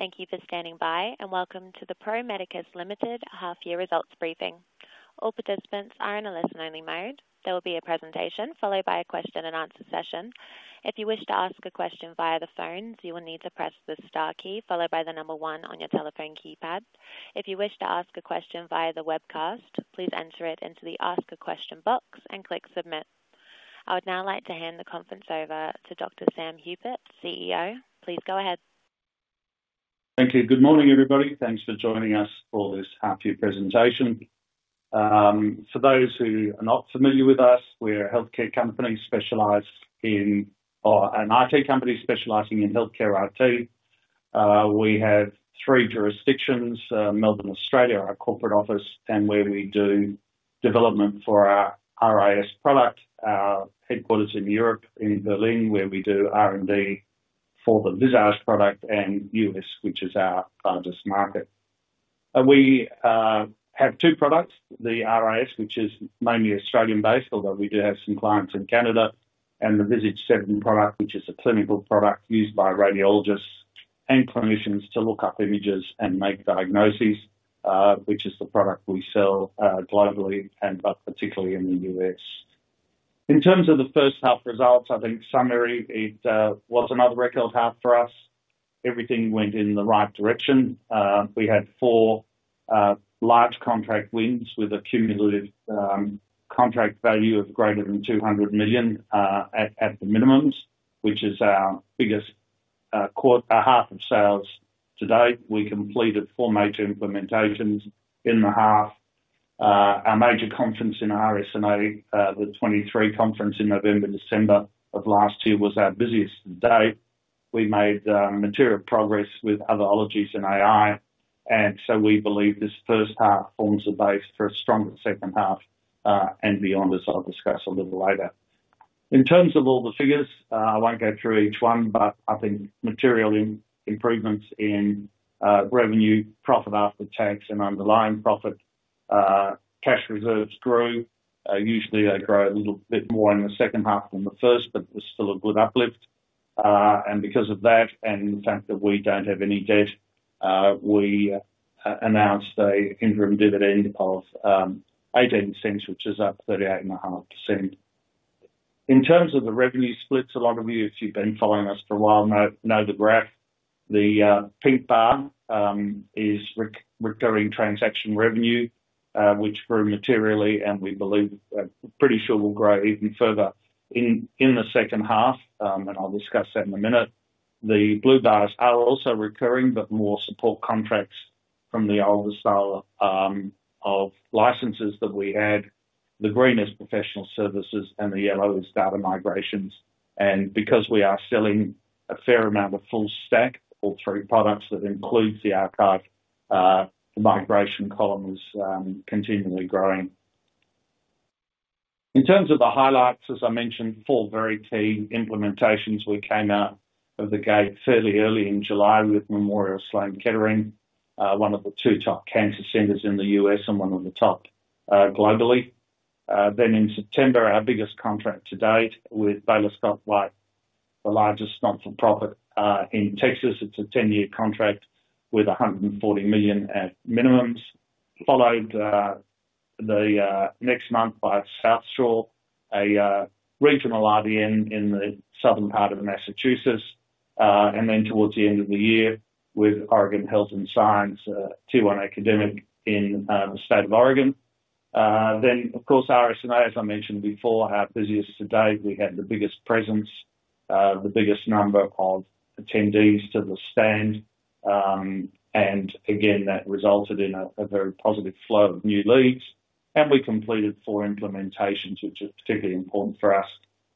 Thank you for standing by, and welcome to the Pro Medicus Limited Half-Year Results Briefing. All participants are in a listen-only mode. There will be a presentation followed by a question-and-answer session. If you wish to ask a question via the phones, you will need to press the star key followed by the number one on your telephone keypad. If you wish to ask a question via the webcast, please enter it into the Ask a Question box and click Submit. I would now like to hand the conference over to Dr. Sam Hupert, CEO. Please go ahead. Thank you. Good morning, everybody. Thanks for joining us for this half-year presentation. For those who are not familiar with us, we're a healthcare company specialized in or an IT company specializing in healthcare IT. We have three jurisdictions: Melbourne, Australia, our corporate office, and where we do development for our RIS product. Our headquarters in Europe, in Berlin, where we do R&D for the Visage product and the U.S., which is our largest market. We have two products: the RIS, which is mainly Australian-based, although we do have some clients in Canada, and the Visage 7 product, which is a clinical product used by radiologists and clinicians to look up images and make diagnoses, which is the product we sell, globally and but particularly in the U.S. In terms of the first half results, I think summary, it was another record half for us. Everything went in the right direction. We had four large contract wins with a cumulative contract value of greater than $200 million at the minimums, which is our biggest quarter half of sales to date. We completed four major implementations in the half. Our major conference in RSNA, the 2023 conference in November/December of last year was our busiest day. We made material progres with other ologies and AI, and so we believe this first half forms the base for a stronger second half, and beyond, as I'll discuss a little later. In terms of all the figures, I won't go through each one, but I think material improvements in revenue, profit after tax, and underlying profit, cash reserves grew. Usually they grow a little bit more in the second half than the first, but there's still a good uplift. Because of that and the fact that we don't have any debt, we announced an interim dividend of 0.18, which is up 38.5%. In terms of the revenue splits, a lot of you, if you've been following us for a while, know the graph. The pink bar is recurring transaction revenue, which grew materially, and we believe pretty sure will grow even further in the second half, and I'll discuss that in a minute. The blue bars are also recurring, but more support contracts from the older style of licenses that we had. The green is professional services, and the yellow is data migrations. Because we are selling a fair amount of full stack, all three products that include the archive, the migration column is continually growing. In terms of the highlights, as I mentioned, four very key implementations. We came out of the gate fairly early in July with Memorial Sloan Kettering, one of the two top cancer centers in the U.S. and one of the top, globally. Then in September, our biggest contract to date with Baylor Scott & White, the largest not-for-profit, in Texas. It's a 10-year contract with 140 million at minimums. Followed the next month by South Shore, a regional IDN in the southern part of Massachusetts, and then towards the end of the year with Oregon Health & Science, Tier 1 academic in the state of Oregon. Then, of course, RSNA, as I mentioned before, our busiest to date. We had the biggest presence, the biggest number of attendees to the stand, and again, that resulted in a very positive flow of new leads. We completed four implementations, which are particularly important for us,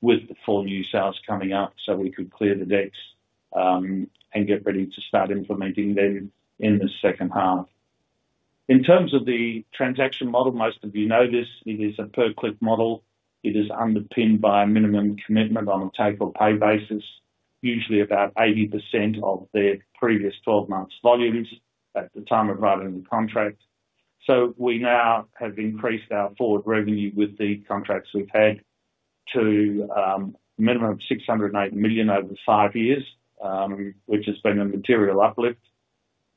with the four new sales coming up so we could clear the decks, and get ready to start implementing them in the second half. In terms of the transaction model, most of you know this. It is a per-click model. It is underpinned by a minimum commitment on a take-or-pay basis, usually about 80% of their previous 12-month volumes at the time of writing the contract. We now have increased our forward revenue with the contracts we've had to, a minimum of 608 million over five years, which has been a material uplift,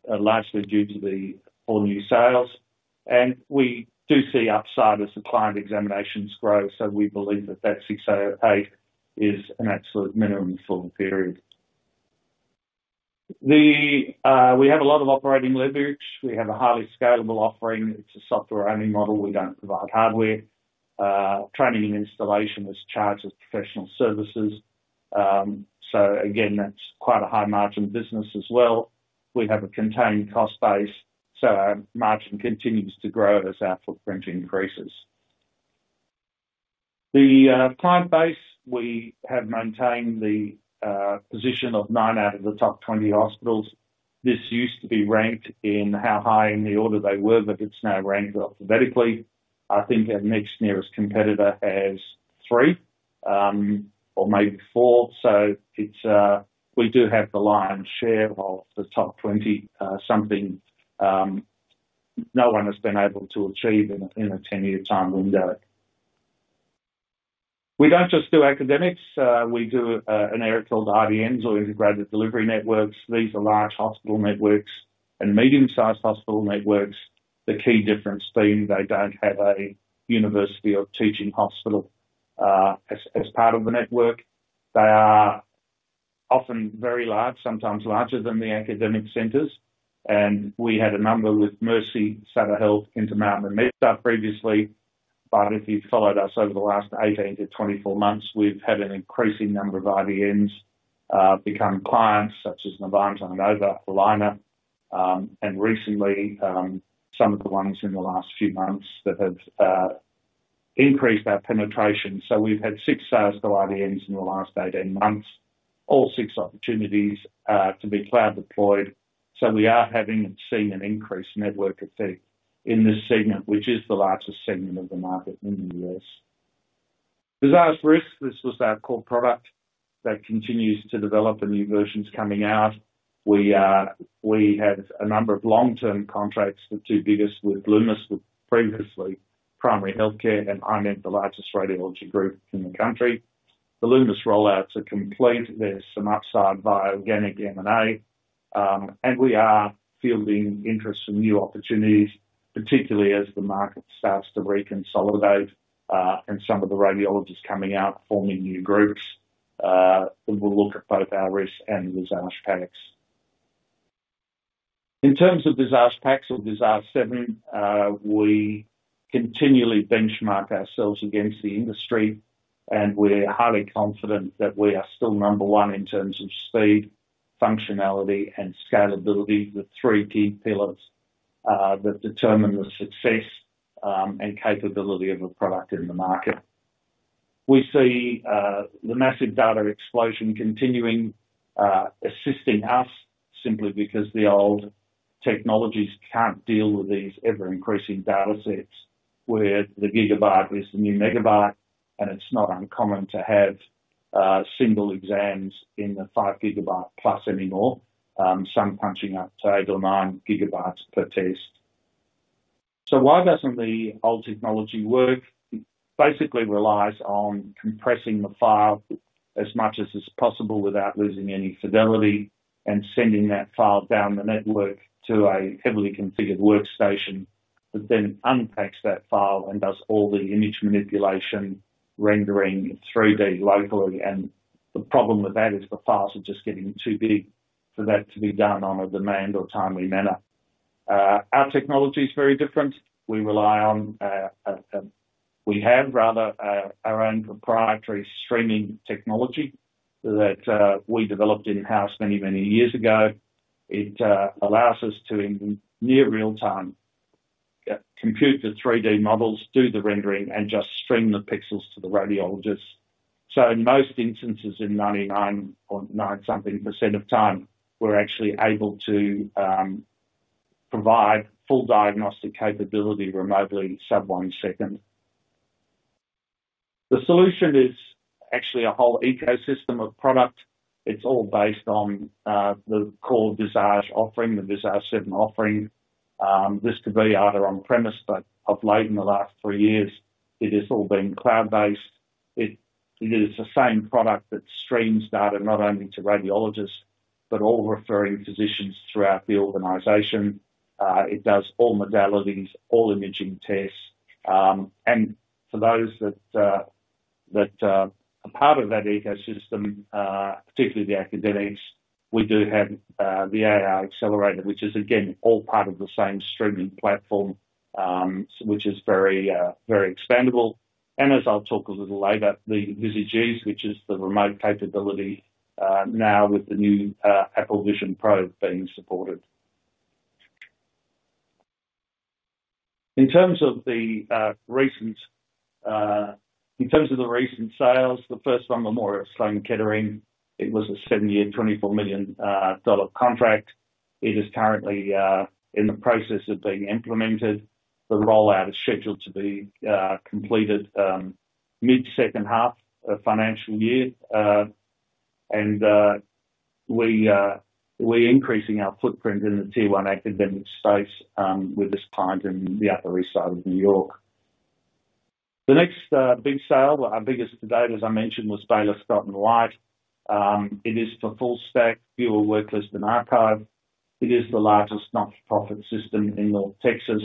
largely due to the four new sales. We do see upside as the client examinations grow, so we believe that that 608 million is an absolute minimum for the period. We have a lot of operating leverage. We have a highly scalable offering. It's a software-only model. We don't provide hardware. Training and installation is charged as professional services. So again, that's quite a high margin business as well. We have a contained cost base, so our margin continues to grow as our footprint increases. The client base, we have maintained the position of nine out of the top 20 hospitals. This used to be ranked in how high in the order they were, but it's now ranked alphabetically. I think our next nearest competitor has three, or maybe four, so it's, we do have the lion's share of the top 20. Something no one has been able to achieve in a 10-year time window. We don't just do academics. We do so-called IDNs or integrated delivery networks. These are large hospital networks and medium-sized hospital networks. The key difference being they don't have a university or teaching hospital, as part of the network. They are often very large, sometimes larger than the academic centers, and we had a number with Mercy, Sutter Health, Intermountain, and MedStar previously. But if you've followed us over the last 18 months-24 months, we've had an increasing number of IDNs become clients such as Novant and Ochsner, Allina, and recently, some of the ones in the last few months that have increased our penetration. So we've had six sales to IDNs in the last 18 months, all six opportunities to be cloud-deployed. So we are having and seeing an increased network effect in this segment, which is the largest segment of the market in the U.S.. Visage RIS, this was our core product. That continues to develop. The new versions coming out. We have a number of long-term contracts. The two biggest with Lumus were previously Primary Health Care, and I-MED the largest radiology group in the country. The Lumus rollouts are complete. There's some upside via organic M&A, and we are fielding interest in new opportunities, particularly as the market starts to reconsolidate, and some of the radiologists coming out forming new groups, that will look at both our RIS and the Visage PACS. In terms of Visage PACS or Visage 7, we continually benchmark ourselves against the industry, and we're highly confident that we are still number one in terms of speed, functionality, and scalability, the three key pillars, that determine the success, and capability of a product in the market. We see the massive data explosion continuing, assisting us simply because the old technologies can't deal with these ever-increasing datasets, where the gigabyte is the new megabyte, and it's not uncommon to have single exams in the 5 GB-plus anymore, some punching up to 8 GB or 9 GB per test. So why doesn't the old technology work? It basically relies on compressing the file as much as is possible without losing any fidelity and sending that file down the network to a heavily configured workstation that then unpacks that file and does all the image manipulation, rendering 3D locally. And the problem with that is the files are just getting too big for that to be done on a demand or timely manner. Our technology's very different. We rely on, we have rather, our own proprietary streaming technology that we developed in-house many, many years ago. It allows us to, in near real-time, compute the 3D models, do the rendering, and just stream the pixels to the radiologists. So in most instances, in 99.9%-something of time, we're actually able to provide full diagnostic capability remotely sub-one second. The solution is actually a whole ecosystem of product. It's all based on the core Visage offering, the Visage 7 offering. This could be either on-premise, but of late in the last three years, it has all been cloud-based. It, it is the same product that streams data not only to radiologists but all referring physicians throughout the organization. It does all modalities, all imaging tests. And for those that, that, are part of that ecosystem, particularly the academics, we do have the AI Accelerator, which is, again, all part of the same streaming platform, which is very, very expandable. As I'll talk a little later, the Visage Ease, which is the remote capability, now with the new Apple Vision Pro being supported. In terms of the recent sales, the first one, Memorial Sloan Kettering, it was a 7-year, $24 million contract. It is currently in the process of being implemented. The rollout is scheduled to be completed mid-second half of financial year. We're increasing our footprint in the T1 academic space with this client in the Upper East Side of New York. The next big sale, our biggest to date, as I mentioned, was Baylor Scott & White. It is for full stack, viewer worklist and archive. It is the largest not-for-profit system in North Texas.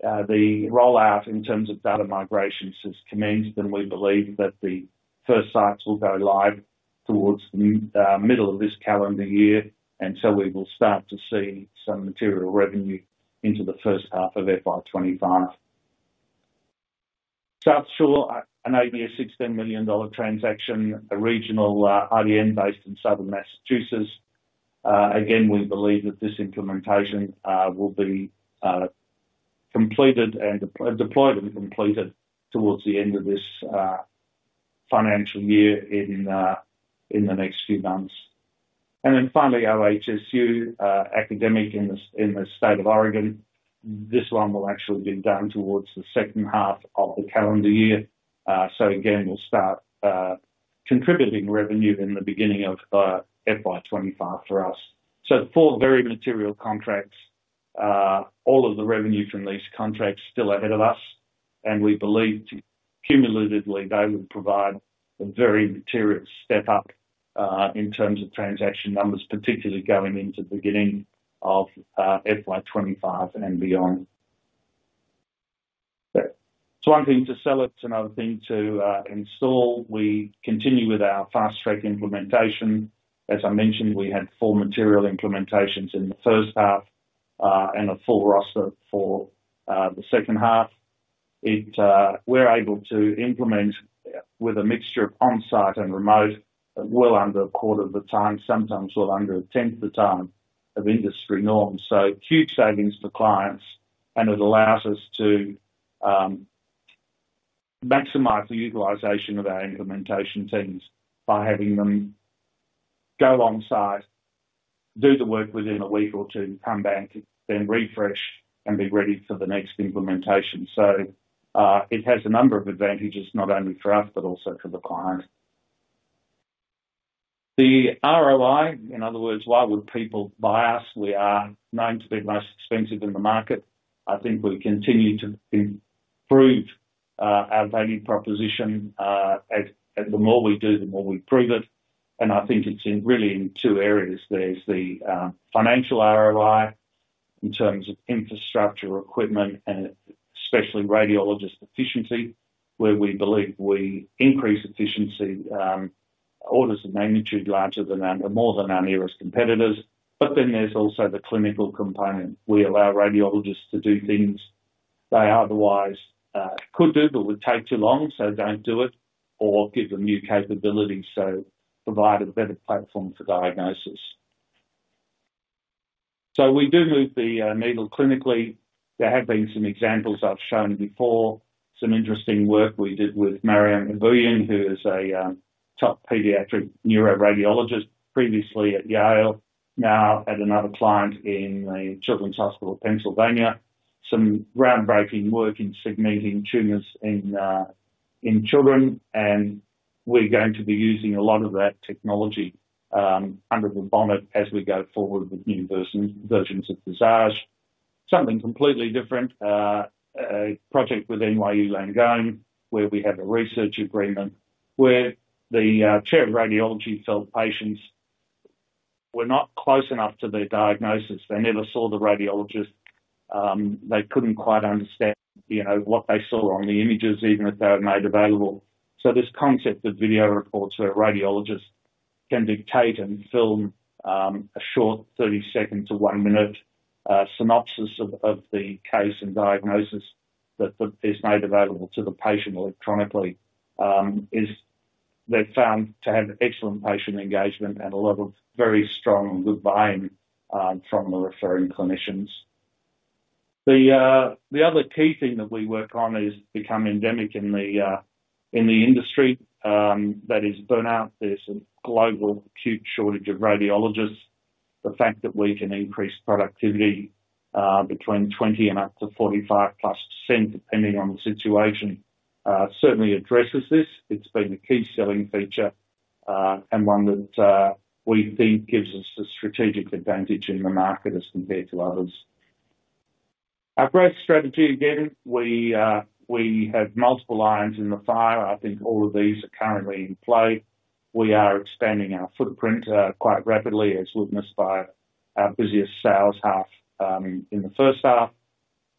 The rollout in terms of data migrations has commenced, and we believe that the first sites will go live towards the middle of this calendar year, and so we will start to see some material revenue into the first half of FY 2025. South Shore, a $16 million transaction, a regional IDN based in southern Massachusetts. Again, we believe that this implementation will be completed and deployed and completed towards the end of this financial year in the next few months. And then finally, OHSU, academic in the state of Oregon. This one will actually be done towards the second half of the calendar year. So again, we'll start contributing revenue in the beginning of FY 2025 for us. So four very material contracts. All of the revenue from these contracts are still ahead of us, and we believe that cumulatively, they will provide a very material step up in terms of transaction numbers, particularly going into the beginning of FY 2025 and beyond. It's one thing to sell. It's another thing to install. We continue with our fast-track implementation. As I mentioned, we had four material implementations in the first half, and a full roster for the second half. We're able to implement with a mixture of on-site and remote well under a quarter of the time, sometimes well under a tenth of the time of industry norm. So huge savings for clients, and it allows us to maximize the utilization of our implementation teams by having them go on-site, do the work within a week or two, come back, then refresh, and be ready for the next implementation. So, it has a number of advantages not only for us but also for the client. The ROI, in other words, why would people buy us? We are known to be the most expensive in the market. I think we continue to improve our value proposition, as the more we do, the more we prove it. And I think it's really in two areas. There's the financial ROI in terms of infrastructure, equipment, and especially radiologist efficiency, where we believe we increase efficiency orders of magnitude larger than our more than our nearest competitors. But then there's also the clinical component. We allow radiologists to do things they otherwise could do but would take too long, so don't do it, or give them new capabilities, so provide a better platform for diagnosis. So we do move the needle clinically. There have been some examples I've shown before, some interesting work we did with Mariam Aboian, who is a top pediatric neuroradiologist previously at Yale, now at another client in the Children's Hospital of Pennsylvania, some groundbreaking work in segmenting tumors in children. We're going to be using a lot of that technology under the bonnet as we go forward with new versions of Visage. Something completely different, a project with NYU Langone, where we have a research agreement where the chair of radiology felt patients were not close enough to their diagnosis. They never saw the radiologist. They couldn't quite understand, you know, what they saw on the images, even if they were made available. So this concept of video reports where radiologists can dictate and film a short 30-second to 1-minute synopsis of the case and diagnosis that is made available to the patient electronically is; they're found to have excellent patient engagement and a lot of very strong good buy-in from the referring clinicians. The other key thing that we work on has become endemic in the industry, that is, burnout. There's a global acute shortage of radiologists. The fact that we can increase productivity between 20% and up to 45%+ depending on the situation certainly addresses this. It's been a key selling feature, and one that we think gives us a strategic advantage in the market as compared to others. Our growth strategy, again, we have multiple irons in the fire. I think all of these are currently in play. We are expanding our footprint, quite rapidly, as witnessed by our busiest sales half in the first half.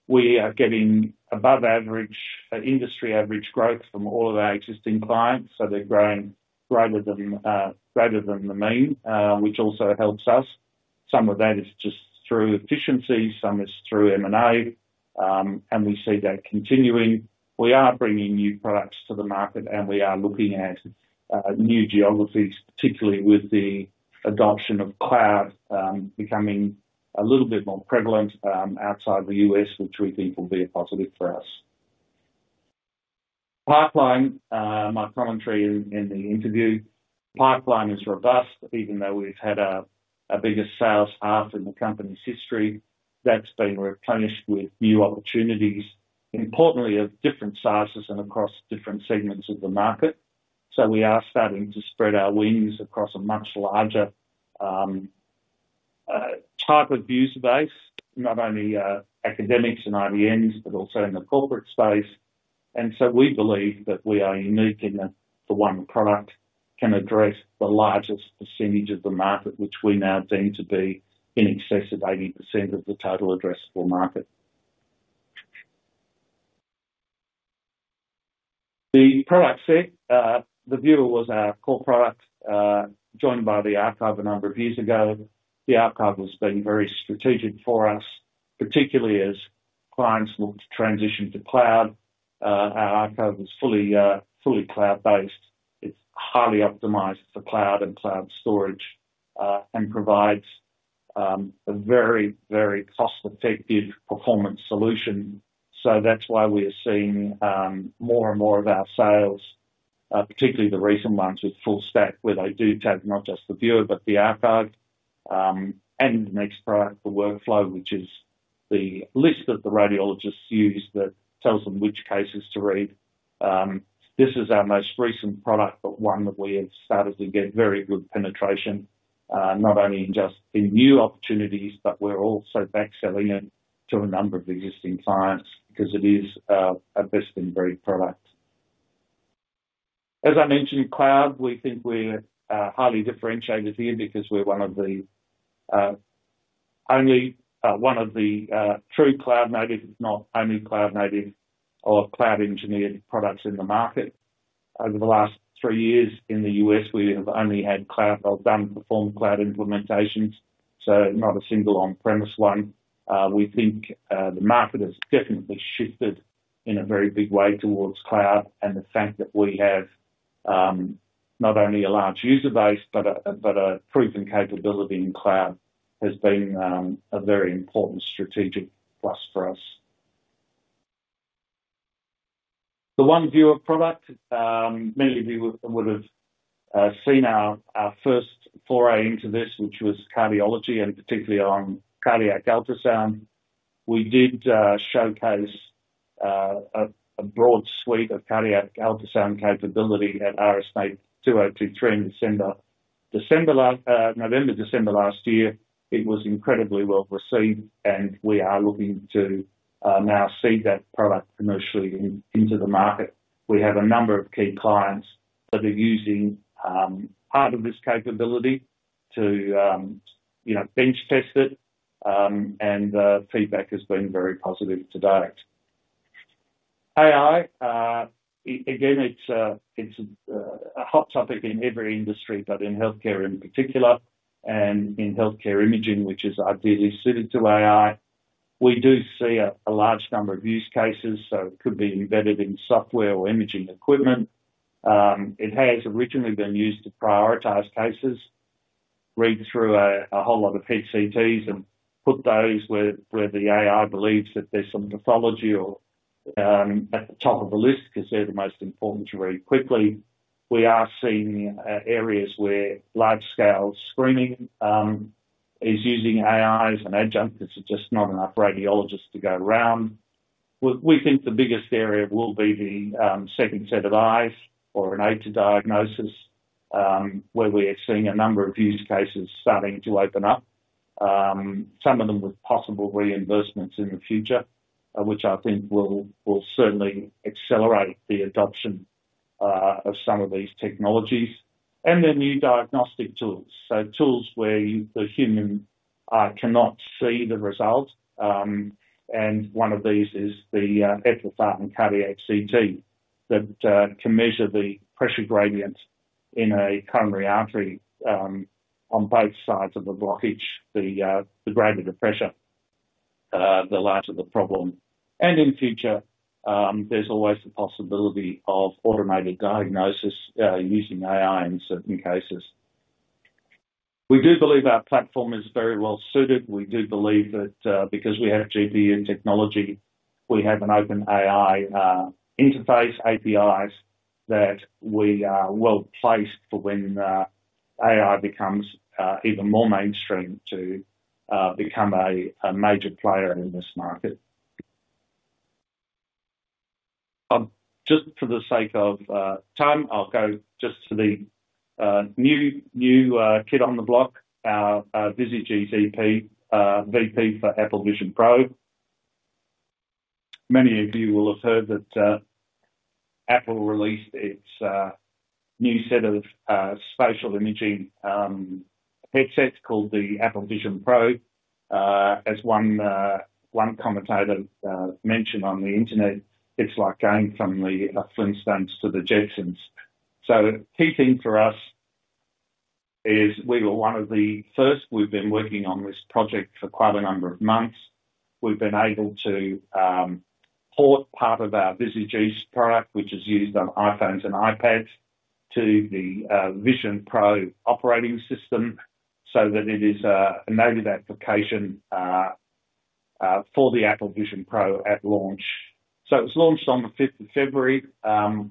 We are getting above-average, industry-average growth from all of our existing clients, so they're growing greater than, greater than the mean, which also helps us. Some of that is just through efficiency. Some is through M&A, and we see that continuing. We are bringing new products to the market, and we are looking at new geographies, particularly with the adoption of cloud becoming a little bit more prevalent outside the U.S., which we think will be a positive for us. Pipeline, my commentary in the interview, pipeline is robust. Even though we've had a bigger sales half in the company's history, that's been replenished with new opportunities, importantly of different sizes and across different segments of the market. So we are starting to spread our wings across a much larger type of user base, not only academics and IDNs but also in the corporate space. We believe that we are unique in that the one product can address the largest percentage of the market, which we now deem to be in excess of 80% of the total addressable market. The product set, the Viewer was our core product, joined by the archive a number of years ago. The archive has been very strategic for us, particularly as clients look to transition to cloud. Our archive is fully, fully cloud-based. It's highly optimized for cloud and cloud storage, and provides a very, very cost-effective performance solution. So that's why we are seeing more and more of our sales, particularly the recent ones with full stack, where they do tag not just the Viewer but the archive, and the next product, the workflow, which is the list that the radiologists use that tells them which cases to read. This is our most recent product but one that we have started to get very good penetration, not only just in new opportunities, but we're also backselling it to a number of existing clients because it is a best-in-breed product. As I mentioned, cloud, we think we're highly differentiated here because we're one of the only, one of the true cloud-native, if not only cloud-native or cloud-engineered products in the market. Over the last three years in the U.S., we have only had cloud or done performed cloud implementations, so not a single on-premise one. We think the market has definitely shifted in a very big way towards cloud, and the fact that we have not only a large user base but a proven capability in cloud has been a very important strategic plus for us. The One Viewer product, many of you would have seen our first foray into this, which was cardiology and particularly on cardiac ultrasound. We did showcase a broad suite of cardiac ultrasound capability at RSNA 2023 in December, December last, November, December last year. It was incredibly well-received, and we are looking to now seed that product commercially into the market. We have a number of key clients that are using part of this capability to, you know, bench-test it, and the feedback has been very positive to date. AI, it's a hot topic in every industry, but in healthcare in particular and in healthcare imaging, which is ideally suited to AI. We do see a large number of use cases, so it could be embedded in software or imaging equipment. It has originally been used to prioritize cases, read through a whole lot of head CTs, and put those where the AI believes that there's some pathology or at the top of the list because they're the most important to read quickly. We are seeing areas where large-scale screening is using AIs and adjuncts because there's just not enough radiologists to go round. We think the biggest area will be the second set of eyes or an AI diagnosis, where we are seeing a number of use cases starting to open up, some of them with possible reimbursements in the future, which I think will certainly accelerate the adoption of some of these technologies. And then new diagnostic tools, so tools where you, the human, cannot see the result. And one of these is the FFR-CT cardiac CT that can measure the pressure gradient in a coronary artery, on both sides of the blockage, the gradient of pressure, the larger the problem. And in future, there's always the possibility of automated diagnosis, using AI in certain cases. We do believe our platform is very well-suited. We do believe that, because we have GPU technology, we have an open AI interface, APIs that we are well-placed for when AI becomes even more mainstream to become a major player in this market. I'll just for the sake of time, I'll go just to the new, new kid on the block, our Visage Ease VP for Apple Vision Pro. Many of you will have heard that Apple released its new set of spatial imaging headsets called the Apple Vision Pro. As one commentator mentioned on the internet, it's like going from the Flintstones to the Jacksons. So key thing for us is we were one of the first. We've been working on this project for quite a number of months. We've been able to port part of our Visage Ease product, which is used on iPhones and iPads, to the Vision Pro operating system so that it is a native application for the Apple Vision Pro at launch. So it was launched on the 5th of February, our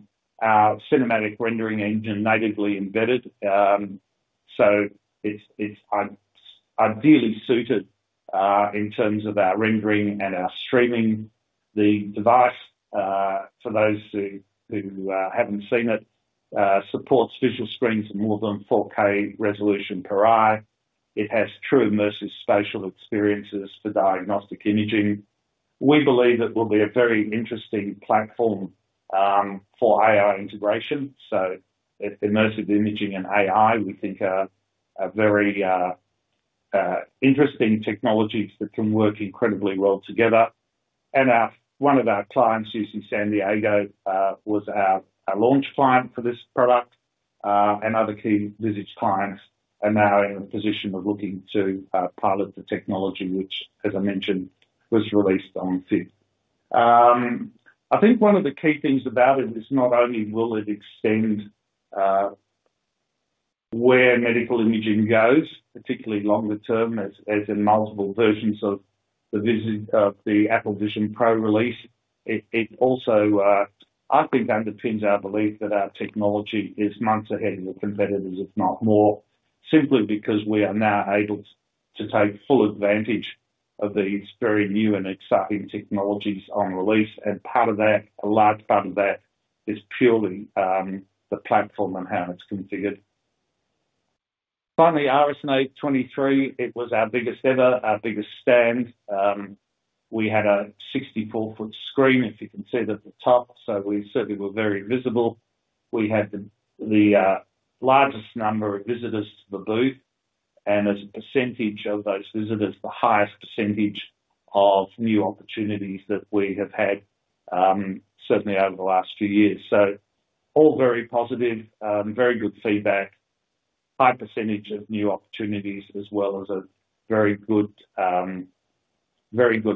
cinematic rendering engine natively embedded. So it's ideally suited in terms of our rendering and our streaming. The device, for those who haven't seen it, supports visual screens of more than 4K resolution per eye. It has true immersive spatial experiences for diagnostic imaging. We believe it will be a very interesting platform for AI integration. So immersive imaging and AI, we think, are very interesting technologies that can work incredibly well together. One of our clients, UC San Diego, was our launch client for this product, and other key Visage clients are now in the position of looking to pilot the technology, which, as I mentioned, was released on 5th. I think one of the key things about it is not only will it extend where medical imaging goes, particularly longer term, as in multiple versions of the Visage for the Apple Vision Pro release, it also, I think, underpins our belief that our technology is months ahead of the competitors, if not more, simply because we are now able to take full advantage of these very new and exciting technologies on release. And part of that, a large part of that, is purely the platform and how it's configured. Finally, RSNA 2023, it was our biggest ever, our biggest stand. We had a 64-foot screen, if you can see it at the top, so we certainly were very visible. We had the largest number of visitors to the booth and as a percentage of those visitors, the highest percentage of new opportunities that we have had, certainly over the last few years. So all very positive, very good feedback, high percentage of new opportunities, as well as a very good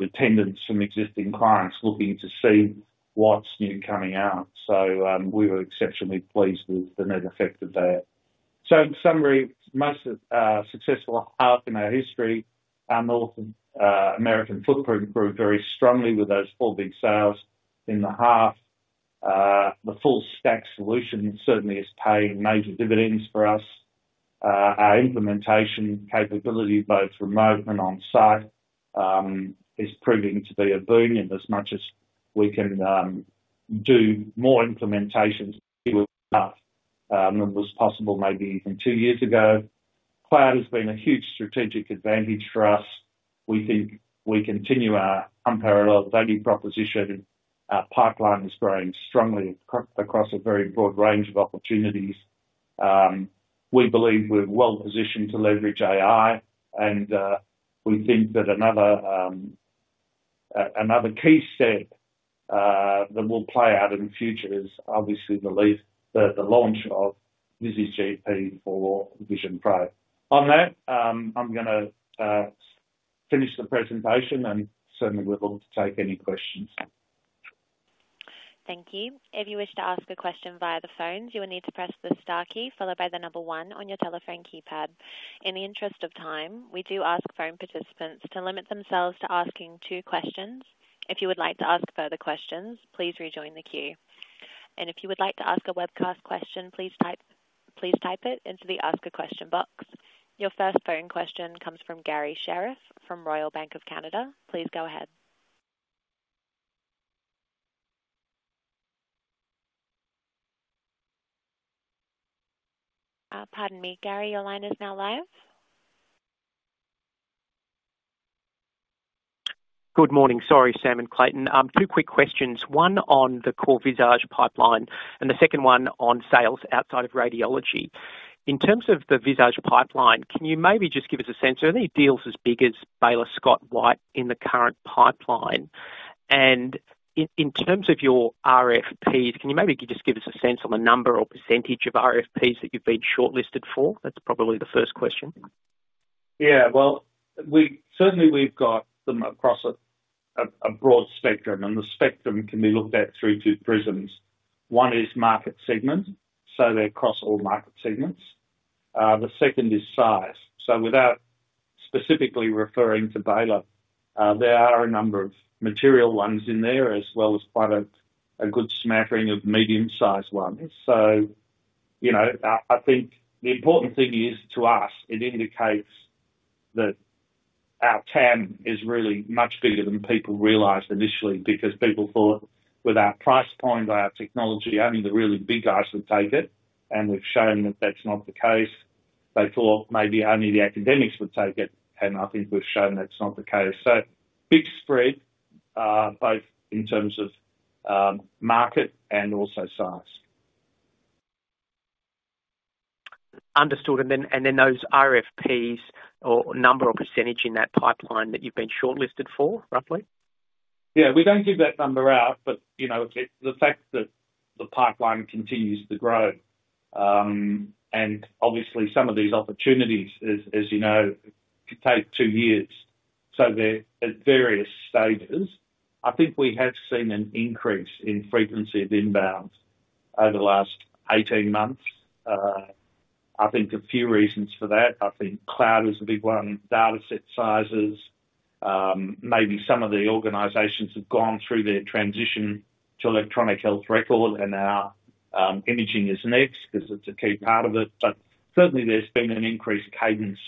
attendance from existing clients looking to see what's new coming out. So, we were exceptionally pleased with the net effect of that. So in summary, most successful half in our history, our North American footprint grew very strongly with those four big sales in the half. The full-stack solution certainly is paying major dividends for us. Our implementation capability, both remote and on-site, is proving to be a boon in as much as we can do more implementations than was possible maybe even two years ago. Cloud has been a huge strategic advantage for us. We think we continue our unparalleled value proposition. Our pipeline is growing strongly across a very broad range of opportunities. We believe we're well-positioned to leverage AI, and we think that another, another key step that will play out in the future is obviously the release, the, the launch of Visage Ease VP for Apple Vision Pro. On that, I'm going to finish the presentation, and certainly we're looking to take any questions. Thank you. If you wish to ask a question via the phones, you will need to press the star key followed by the number one on your telephone keypad. In the interest of time, we do ask phone participants to limit themselves to asking two questions. If you would like to ask further questions, please rejoin the queue. If you would like to ask a webcast question, please type it into the Ask a Question box. Your first phone question comes from Garry Sherriff from Royal Bank of Canada. Please go ahead. Pardon me. Garry, your line is now live. Good morning. Sorry, Sam and Clayton. Two quick questions. One on the core Visage pipeline and the second one on sales outside of radiology. In terms of the Visage pipeline, can you maybe just give us a sense? Are there any deals as big as Baylor Scott & White in the current pipeline? In terms of your RFPs, can you maybe just give us a sense on the number or percentage of RFPs that you've been shortlisted for? That's probably the first question. Yeah. Well, we certainly have got them across a broad spectrum, and the spectrum can be looked at through two prisms. One is market segment, so they're across all market segments. The second is size. So without specifically referring to Baylor, there are a number of material ones in there as well as quite a good smattering of medium-sized ones. So, you know, I think the important thing is to us, it indicates that our TAM is really much bigger than people realized initially because people thought with our price point, our technology, only the really big guys would take it. And we've shown that that's not the case. They thought maybe only the academics would take it, and I think we've shown that's not the case. So big spread, both in terms of market and also size. Understood. And then, and then those RFPs or number or percentage in that pipeline that you've been shortlisted for, roughly? Yeah. We don't give that number out, but, you know, the fact that the pipeline continues to grow, and obviously some of these opportunities, as, as you know, could take two years. So they're at various stages. I think we have seen an increase in frequency of inbound over the last 18 months. I think a few reasons for that. I think cloud is a big one, dataset sizes. Maybe some of the organizations have gone through their transition to Electronic Health Record, and now, imaging is next because it's a key part of it. But certainly, there's been an increased cadence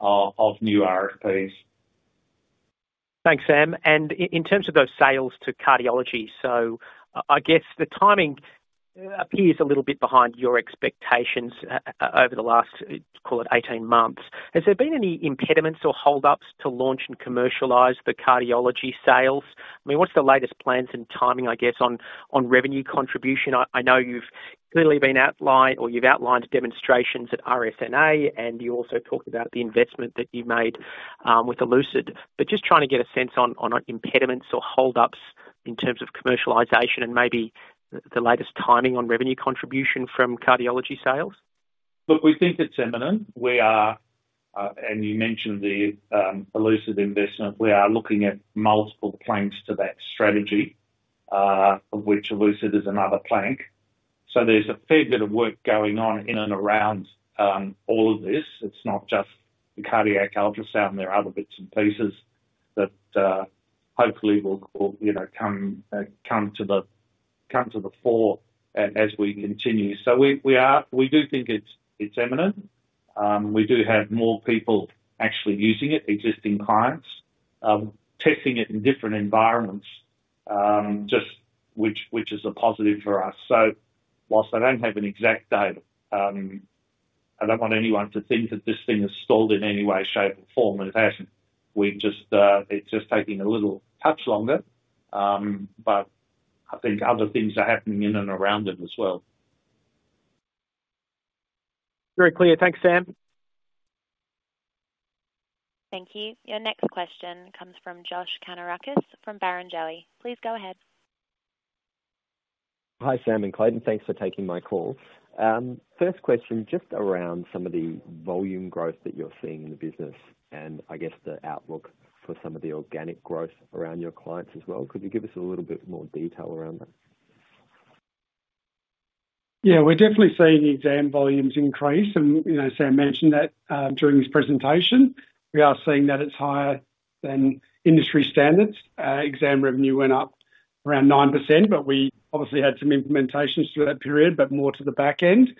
of new RFPs. Thanks, Sam. And in terms of those sales to cardiology, so I guess the timing appears a little bit behind your expectations over the last, call it, 18 months. Has there been any impediments or holdups to launch and commercialize the cardiology sales? I mean, what's the latest plans and timing, I guess, on revenue contribution? I know you've clearly been outlined or you've outlined demonstrations at RSNA, and you also talked about the investment that you made with Elucid. But just trying to get a sense on impediments or holdups in terms of commercialization and maybe the latest timing on revenue contribution from cardiology sales. Look, we think it's imminent. We are, and you mentioned the Elucid investment. We are looking at multiple planks to that strategy, of which Elucid is another plank. So there's a fair bit of work going on in and around all of this. It's not just the cardiac ultrasound. There are other bits and pieces that, hopefully will, you know, come to the fore as we continue. So we do think it's imminent. We do have more people actually using it, existing clients, testing it in different environments, which is a positive for us. So while I don't have an exact date, I don't want anyone to think that this thing has stalled in any way, shape, or form, and it hasn't. It's just taking a little too long. But I think other things are happening in and around it as well. Very clear. Thanks, Sam. Thank you. Your next question comes from Josh Kannourakis from Barrenjoey. Please go ahead. Hi, Sam and Clayton. Thanks for taking my call. First question just around some of the volume growth that you're seeing in the business and I guess the outlook for some of the organic growth around your clients as well. Could you give us a little bit more detail around that? Yeah. We're definitely seeing the exam volumes increase. And, you know, Sam mentioned that, during his presentation, we are seeing that it's higher than industry standards. Exam revenue went up around 9%, but we obviously had some implementations through that period, but more to the back end.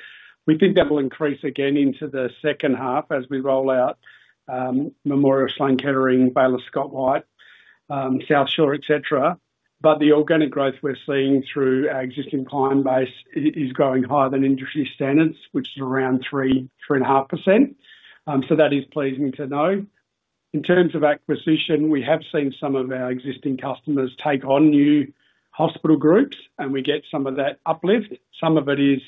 We think that will increase again into the second half as we roll out Memorial Sloan Kettering, Baylor Scott & White, South Shore Health, etc. But the organic growth we're seeing through our existing client base is growing higher than industry standards, which is around 3%-3.5%. So that is pleasing to know. In terms of acquisition, we have seen some of our existing customers take on new hospital groups, and we get some of that uplift. Some of it is,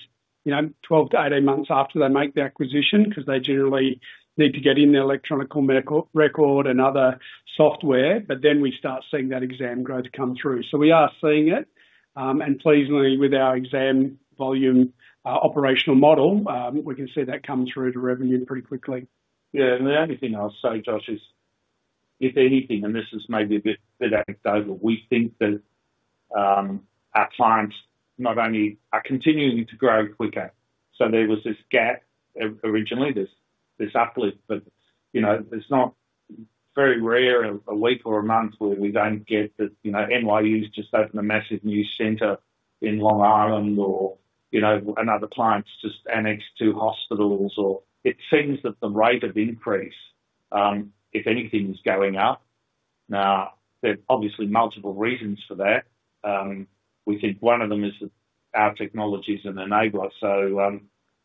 you know, 12 months-18 months after they make the acquisition because they generally need to get in their electronic medical record and other software. But then we start seeing that exam growth come through. So we are seeing it, and pleasingly, with our exam volume operational model, we can see that come through to revenue pretty quickly. Yeah. And the only thing I'll say, Josh, is if anything - and this is maybe a bit anecdotal - we think that our clients not only are continuing to grow quicker. So there was this gap originally, this uplift. But, you know, it's not very rare a week or a month where we don't get that, you know, NYU's just opened a massive new center in Long Island or, you know, another. Clients just annexed two hospitals or it seems that the rate of increase, if anything, is going up. Now, there are obviously multiple reasons for that. We think one of them is that our technology's an enabler. So,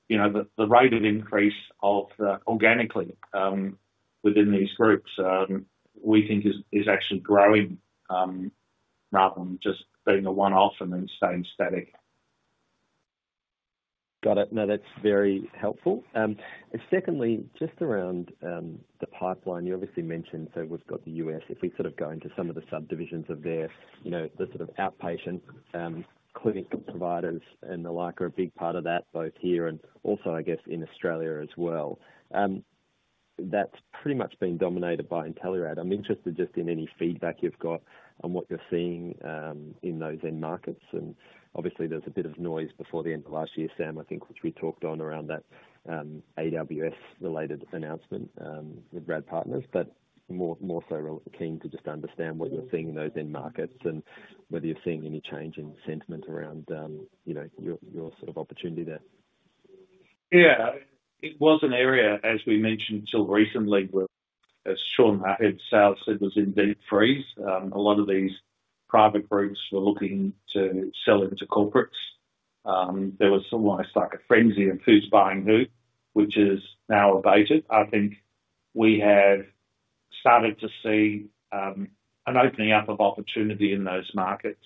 you know, the rate of increase of the organically within these groups, we think is actually growing, rather than just being a one-off and then staying static. Got it. No, that's very helpful. Secondly, just around the pipeline, you obviously mentioned so we've got the U.S.. If we sort of go into some of the subdivisions of their, you know, the sort of outpatient, clinic providers and the like are a big part of that, both here and also, I guess, in Australia as well. That's pretty much been dominated by Intelerad. I'm interested just in any feedback you've got on what you're seeing, in those end markets. And obviously, there's a bit of noise before the end of last year, Sam, I think, which we talked on around that, AWS-related announcement, with Rad Partners, but more, more so keen to just understand what you're seeing in those end markets and whether you're seeing any change in sentiment around, you know, your, your sort of opportunity there. Yeah. It was an area, as we mentioned till recently, where as Sean himself said, was in debt freeze. A lot of these private groups were looking to sell into corporates. There was almost like a frenzy of who's buying who, which is now abated. I think we have started to see an opening up of opportunity in those markets.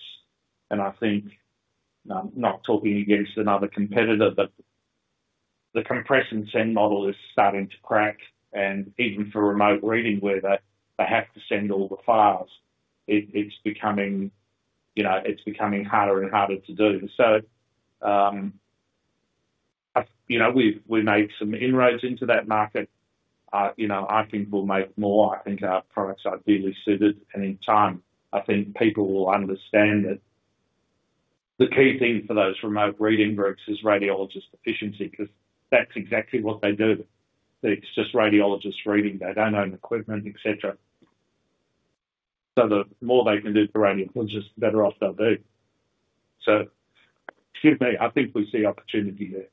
I think, now I'm not talking against another competitor, but the compression send model is starting to crack. And even for remote reading where they have to send all the files, it's becoming, you know, harder and harder to do. So, you know, we've made some inroads into that market. You know, I think we'll make more. I think our products are dearly suited. And in time, I think people will understand that the key thing for those remote reading groups is radiologist efficiency because that's exactly what they do. It's just radiologists reading. They don't own equipment, etc. So the more they can do for radiologists, the better off they'll be. Excuse me. I think we see opportunity there.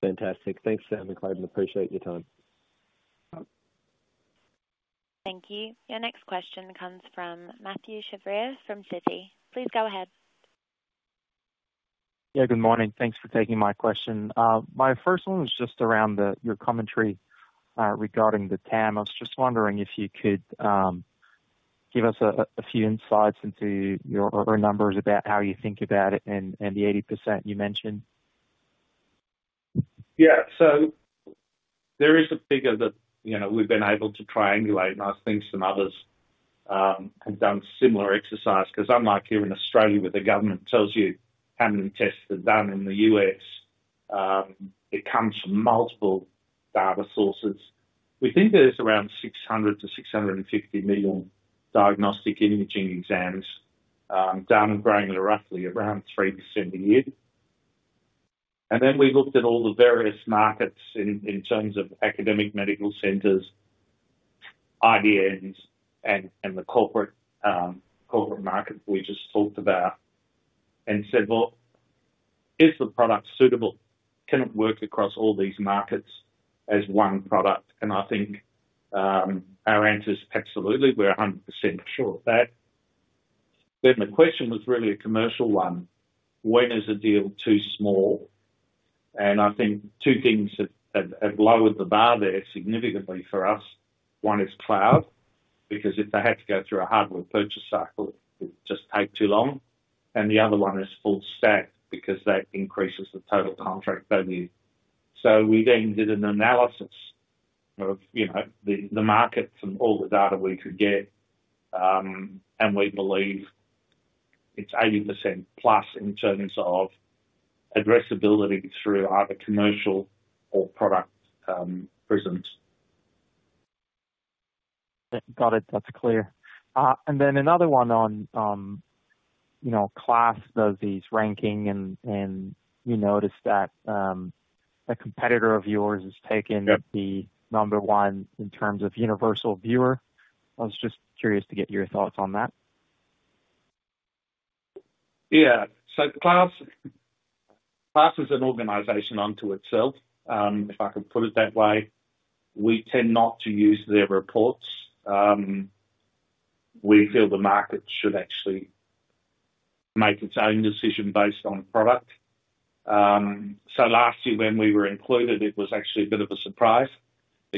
Fantastic. Thanks, Sam and Clayton. Appreciate your time. Thank you. Your next question comes from Mathieu Chevrier from Citi. Please go ahead. Yeah. Good morning. Thanks for taking my question. My first one was just around your commentary, regarding the TAM. I was just wondering if you could give us a few insights into your or numbers about how you think about it and the 80% you mentioned. Yeah. So there is a figure that, you know, we've been able to triangulate. I think some others have done similar exercise because unlike here in Australia where the government tells you how many tests are done, in the U.S., it comes from multiple data sources. We think there's around 600 million-650 million diagnostic imaging exams done and growing at roughly around 3% a year. Then we looked at all the various markets in terms of academic medical centers, IDNs, and the corporate market we just talked about and said, "Well, is the product suitable? Can it work across all these markets as one product?" I think our answer is absolutely. We're 100% sure of that. Then the question was really a commercial one. When is a deal too small? I think two things have lowered the bar there significantly for us. One is cloud because if they had to go through a hardware purchase cycle, it'd just take too long. The other one is full stack because that increases the total contract value. So we then did an analysis of, you know, the markets and all the data we could get. And we believe it's 80% plus in terms of addressability through either commercial or product prisms. Got it. That's clear. And then another one on, you know, KLAS does these rankings. And you noticed that a competitor of yours has taken the number one in terms of universal viewer. I was just curious to get your thoughts on that. Yeah. So KLAS, KLAS is an organization unto itself, if I can put it that way. We tend not to use their reports. We feel the market should actually make its own decision based on product. So last year when we were included, it was actually a bit of a surprise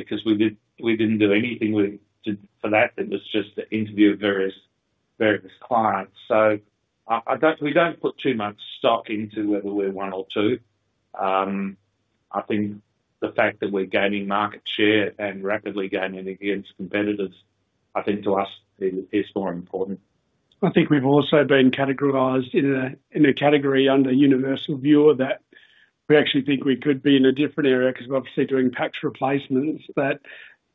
because we didn't do anything with KLAS for that. It was just the interview of various clients. So, we don't put too much stock into whether we're one or two. I think the fact that we're gaining market share and rapidly gaining against competitors, I think to us is more important. I think we've also been categorized in a category under universal viewer that we actually think we could be in a different area because we're obviously doing PACS replacements, that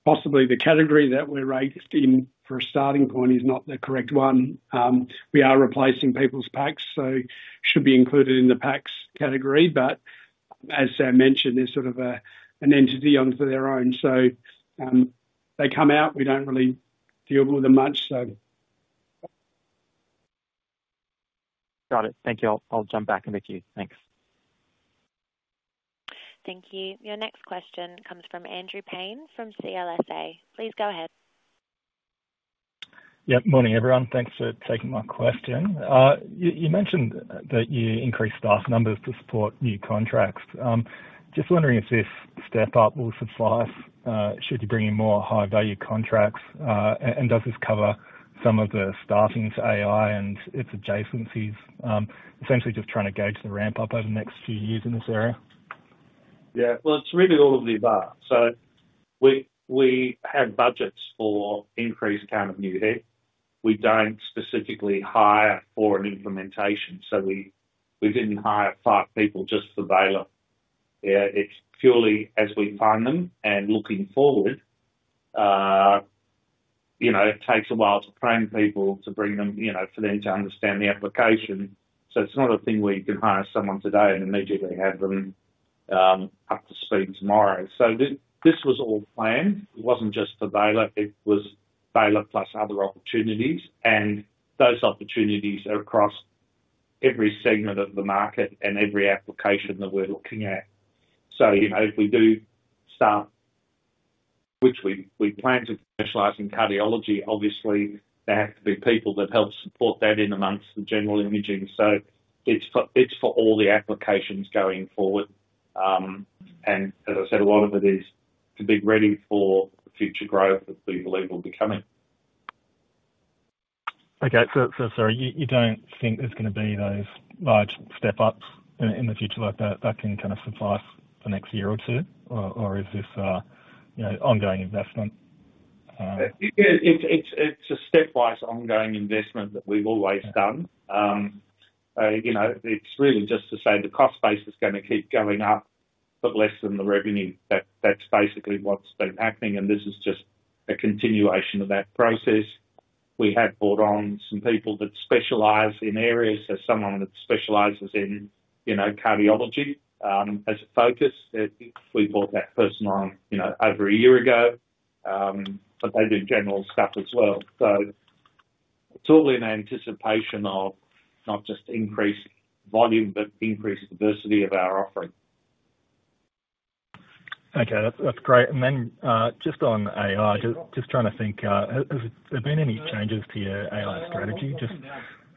possibly the category that we're ranked in for a starting point is not the correct one. We are replacing people's PACS, so should be included in the PACS category. But as Sam mentioned, they're sort of an entity unto their own. So, they come out. We don't really deal with them much, so. Got it. Thank you. I'll jump back in with you. Thanks. Thank you. Your next question comes from Andrew Paine from CLSA. Please go ahead. Yep. Morning, everyone. Thanks for taking my question. You, you mentioned that you increase staff numbers to support new contracts. Just wondering if this step up will suffice, should you bring in more high-value contracts? And does this cover some of the starting to AI and its adjacencies, essentially just trying to gauge the ramp up over the next few years in this area? Yeah. Well, it's really all of the above. So we, we have budgets for increased count of new head. We don't specifically hire for an implementation. So we, we didn't hire five people just for Baylor. Yeah. It's purely as we find them and looking forward. You know, it takes a while to train people to bring them, you know, for them to understand the application. So it's not a thing where you can hire someone today and immediately have them up to speed tomorrow. So this was all planned. It wasn't just for Baylor. It was Baylor plus other opportunities. And those opportunities are across every segment of the market and every application that we're looking at. So, you know, if we do start which we plan to commercialize in cardiology, obviously, there have to be people that help support that in amongst the general imaging. So it's for all the applications going forward. And as I said, a lot of it is to be ready for the future growth that we believe will be coming. Okay. So sorry. You don't think there's going to be those large step-ups in the future like that can kind of suffice for the next year or two? Or is this, you know, ongoing investment? Yeah. It's a stepwise ongoing investment that we've always done. You know, it's really just to say the cost base is going to keep going up but less than the revenue. That, that's basically what's been happening. And this is just a continuation of that process. We have bought on some people that specialize in areas, so someone that specializes in, you know, cardiology, as a focus. We bought that person on, you know, over a year ago. But they do general stuff as well. So it's all in anticipation of not just increased volume but increased diversity of our offering. Okay. That's, that's great. And then, just on AI, just, just trying to think, has, has there been any changes to your AI strategy? Just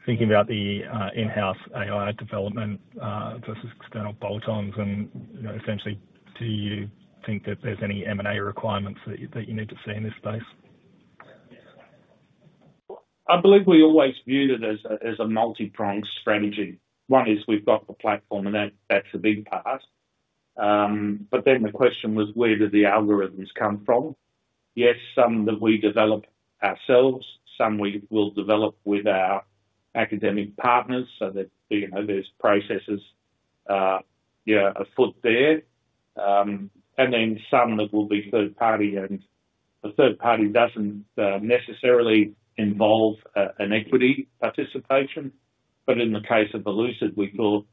thinking about the, in-house AI development, versus external bolt-ons and, you know, essentially. Do you think that there's any M&A requirements that you that you need to see in this space? Well, I believe we always viewed it as a multi-pronged strategy. One is we've got the platform, and that, that's a big part. But then the question was, where do the algorithms come from? Yes, some that we develop ourselves. Some we will develop with our academic partners. So there's, you know, there's processes, you know, afoot there. And then some that will be third-party. And the third-party doesn't, necessarily involve, an equity participation. But in the case of Elucid, we thought,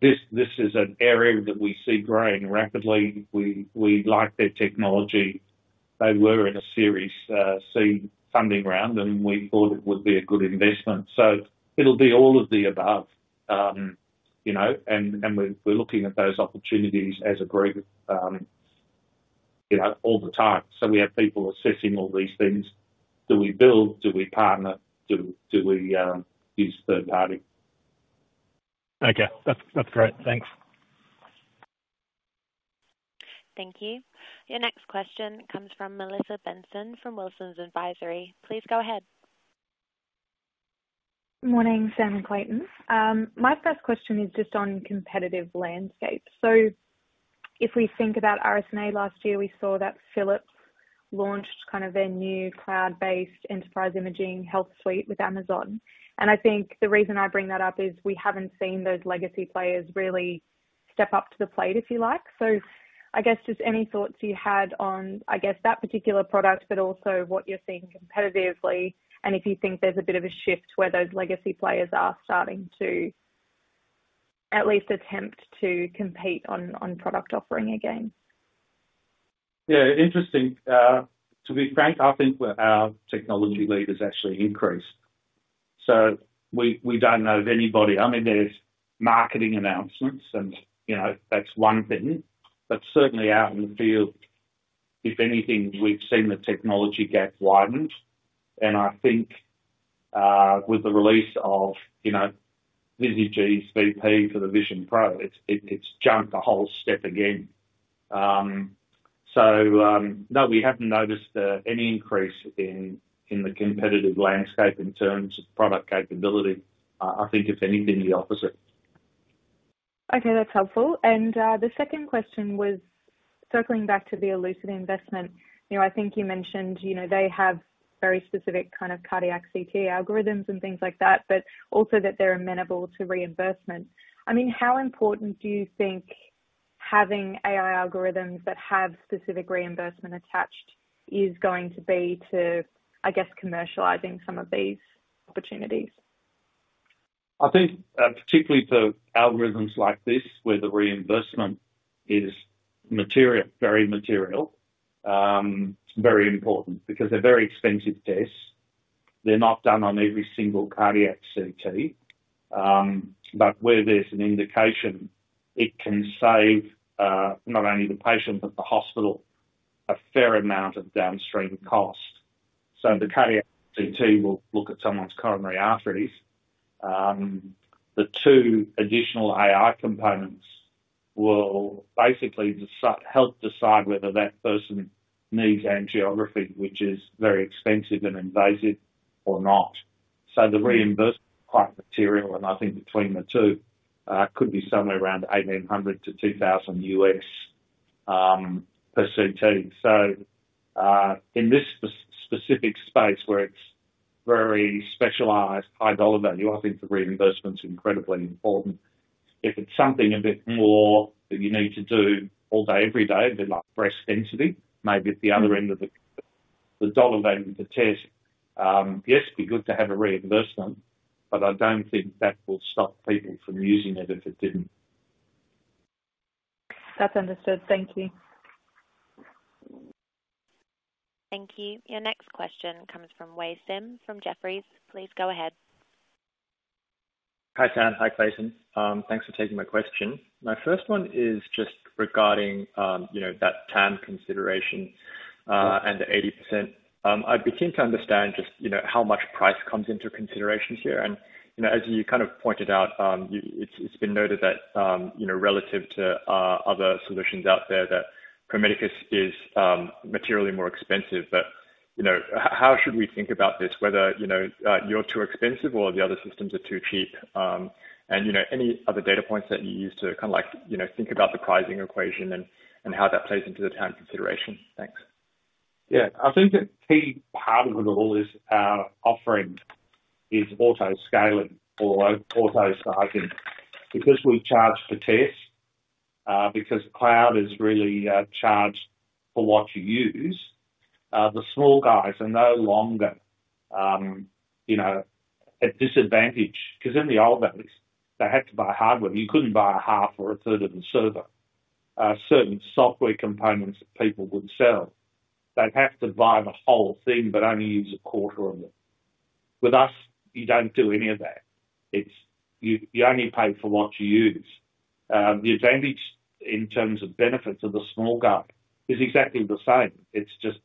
this, this is an area that we see growing rapidly. We, we like their technology. They were in a Series C funding round, and we thought it would be a good investment. So it'll be all of the above, you know. And, and we're, we're looking at those opportunities as a group, you know, all the time. So we have people assessing all these things. Do we build? Do we partner? Do we use third-party? Okay. That's great. Thanks. Thank you. Your next question comes from Melissa Benson from Wilsons Advisory. Please go ahead. Morning, Sam and Clayton. My first question is just on competitive landscape. So if we think about RSNA last year, we saw that Philips launched kind of their new cloud-based enterprise imaging suite with Amazon. And I think the reason I bring that up is we haven't seen those legacy players really step up to the plate, if you like. So I guess just any thoughts you had on, I guess, that particular product but also what you're seeing competitively and if you think there's a bit of a shift where those legacy players are starting to at least attempt to compete on product offering again. Yeah. Interesting. To be frank, I think where our technology lead has actually increased. So we don't know of anybody. I mean, there's marketing announcements, and, you know, that's one thing. But certainly out in the field, if anything, we've seen the technology gap widen. And I think, with the release of, you know, Visage Ease VP for the Vision Pro, it's jumped a whole step again. So, no, we haven't noticed any increase in the competitive landscape in terms of product capability. I think if anything, the opposite. Okay. That's helpful. And the second question was circling back to the Elucid investment. You know, I think you mentioned, you know, they have very specific kind of cardiac CT algorithms and things like that but also that they're amenable to reimbursement. I mean, how important do you think having AI algorithms that have specific reimbursement attached is going to be to, I guess, commercializing some of these opportunities? I think, particularly for algorithms like this where the reimbursement is material, very material, it's very important because they're very expensive tests. They're not done on every single cardiac CT, but where there's an indication, it can save, not only the patient but the hospital a fair amount of downstream cost. So the cardiac CT will look at someone's coronary arteries. The two additional AI components will basically decide help decide whether that person needs angiography, which is very expensive and invasive, or not. So the reimbursement is quite material. And I think between the two, could be somewhere around $1,800-$2,000 per CT. So, in this specific space where it's very specialized, high dollar value, I think the reimbursement's incredibly important. If it's something a bit more that you need to do all day, every day, a bit like breast density, maybe at the other end of the dollar value of the test, yes, it'd be good to have a reimbursement, but I don't think that will stop people from using it if it didn't. That's understood. Thank you. Thank you. Your next question comes from Wei Sim from Jefferies. Please go ahead. Hi Sam. Hi Clayton. Thanks for taking my question. My first one is just regarding, you know, that TAM consideration, and the 80%. I begin to understand just, you know, how much price comes into considerations here. You know, as you kind of pointed out, it's been noted that, you know, relative to other solutions out there that Pro Medicus is materially more expensive. But, you know, how should we think about this, whether, you know, you're too expensive or the other systems are too cheap? And, you know, any other data points that you use to kind of like, you know, think about the pricing equation and how that plays into the TAM consideration? Thanks. Yeah. I think a key part of it all is our offering is auto-scaling or auto-sizing because we charge per test, because cloud is really charged for what you use. The small guys are no longer, you know, at disadvantage because in the old days, they had to buy hardware. You couldn't buy half or a third of the server. Certain software components that people would sell, they'd have to buy the whole thing but only use a quarter of it. With us, you don't do any of that. It's you, you only pay for what you use. The advantage in terms of benefit to the small guy is exactly the same. It's just,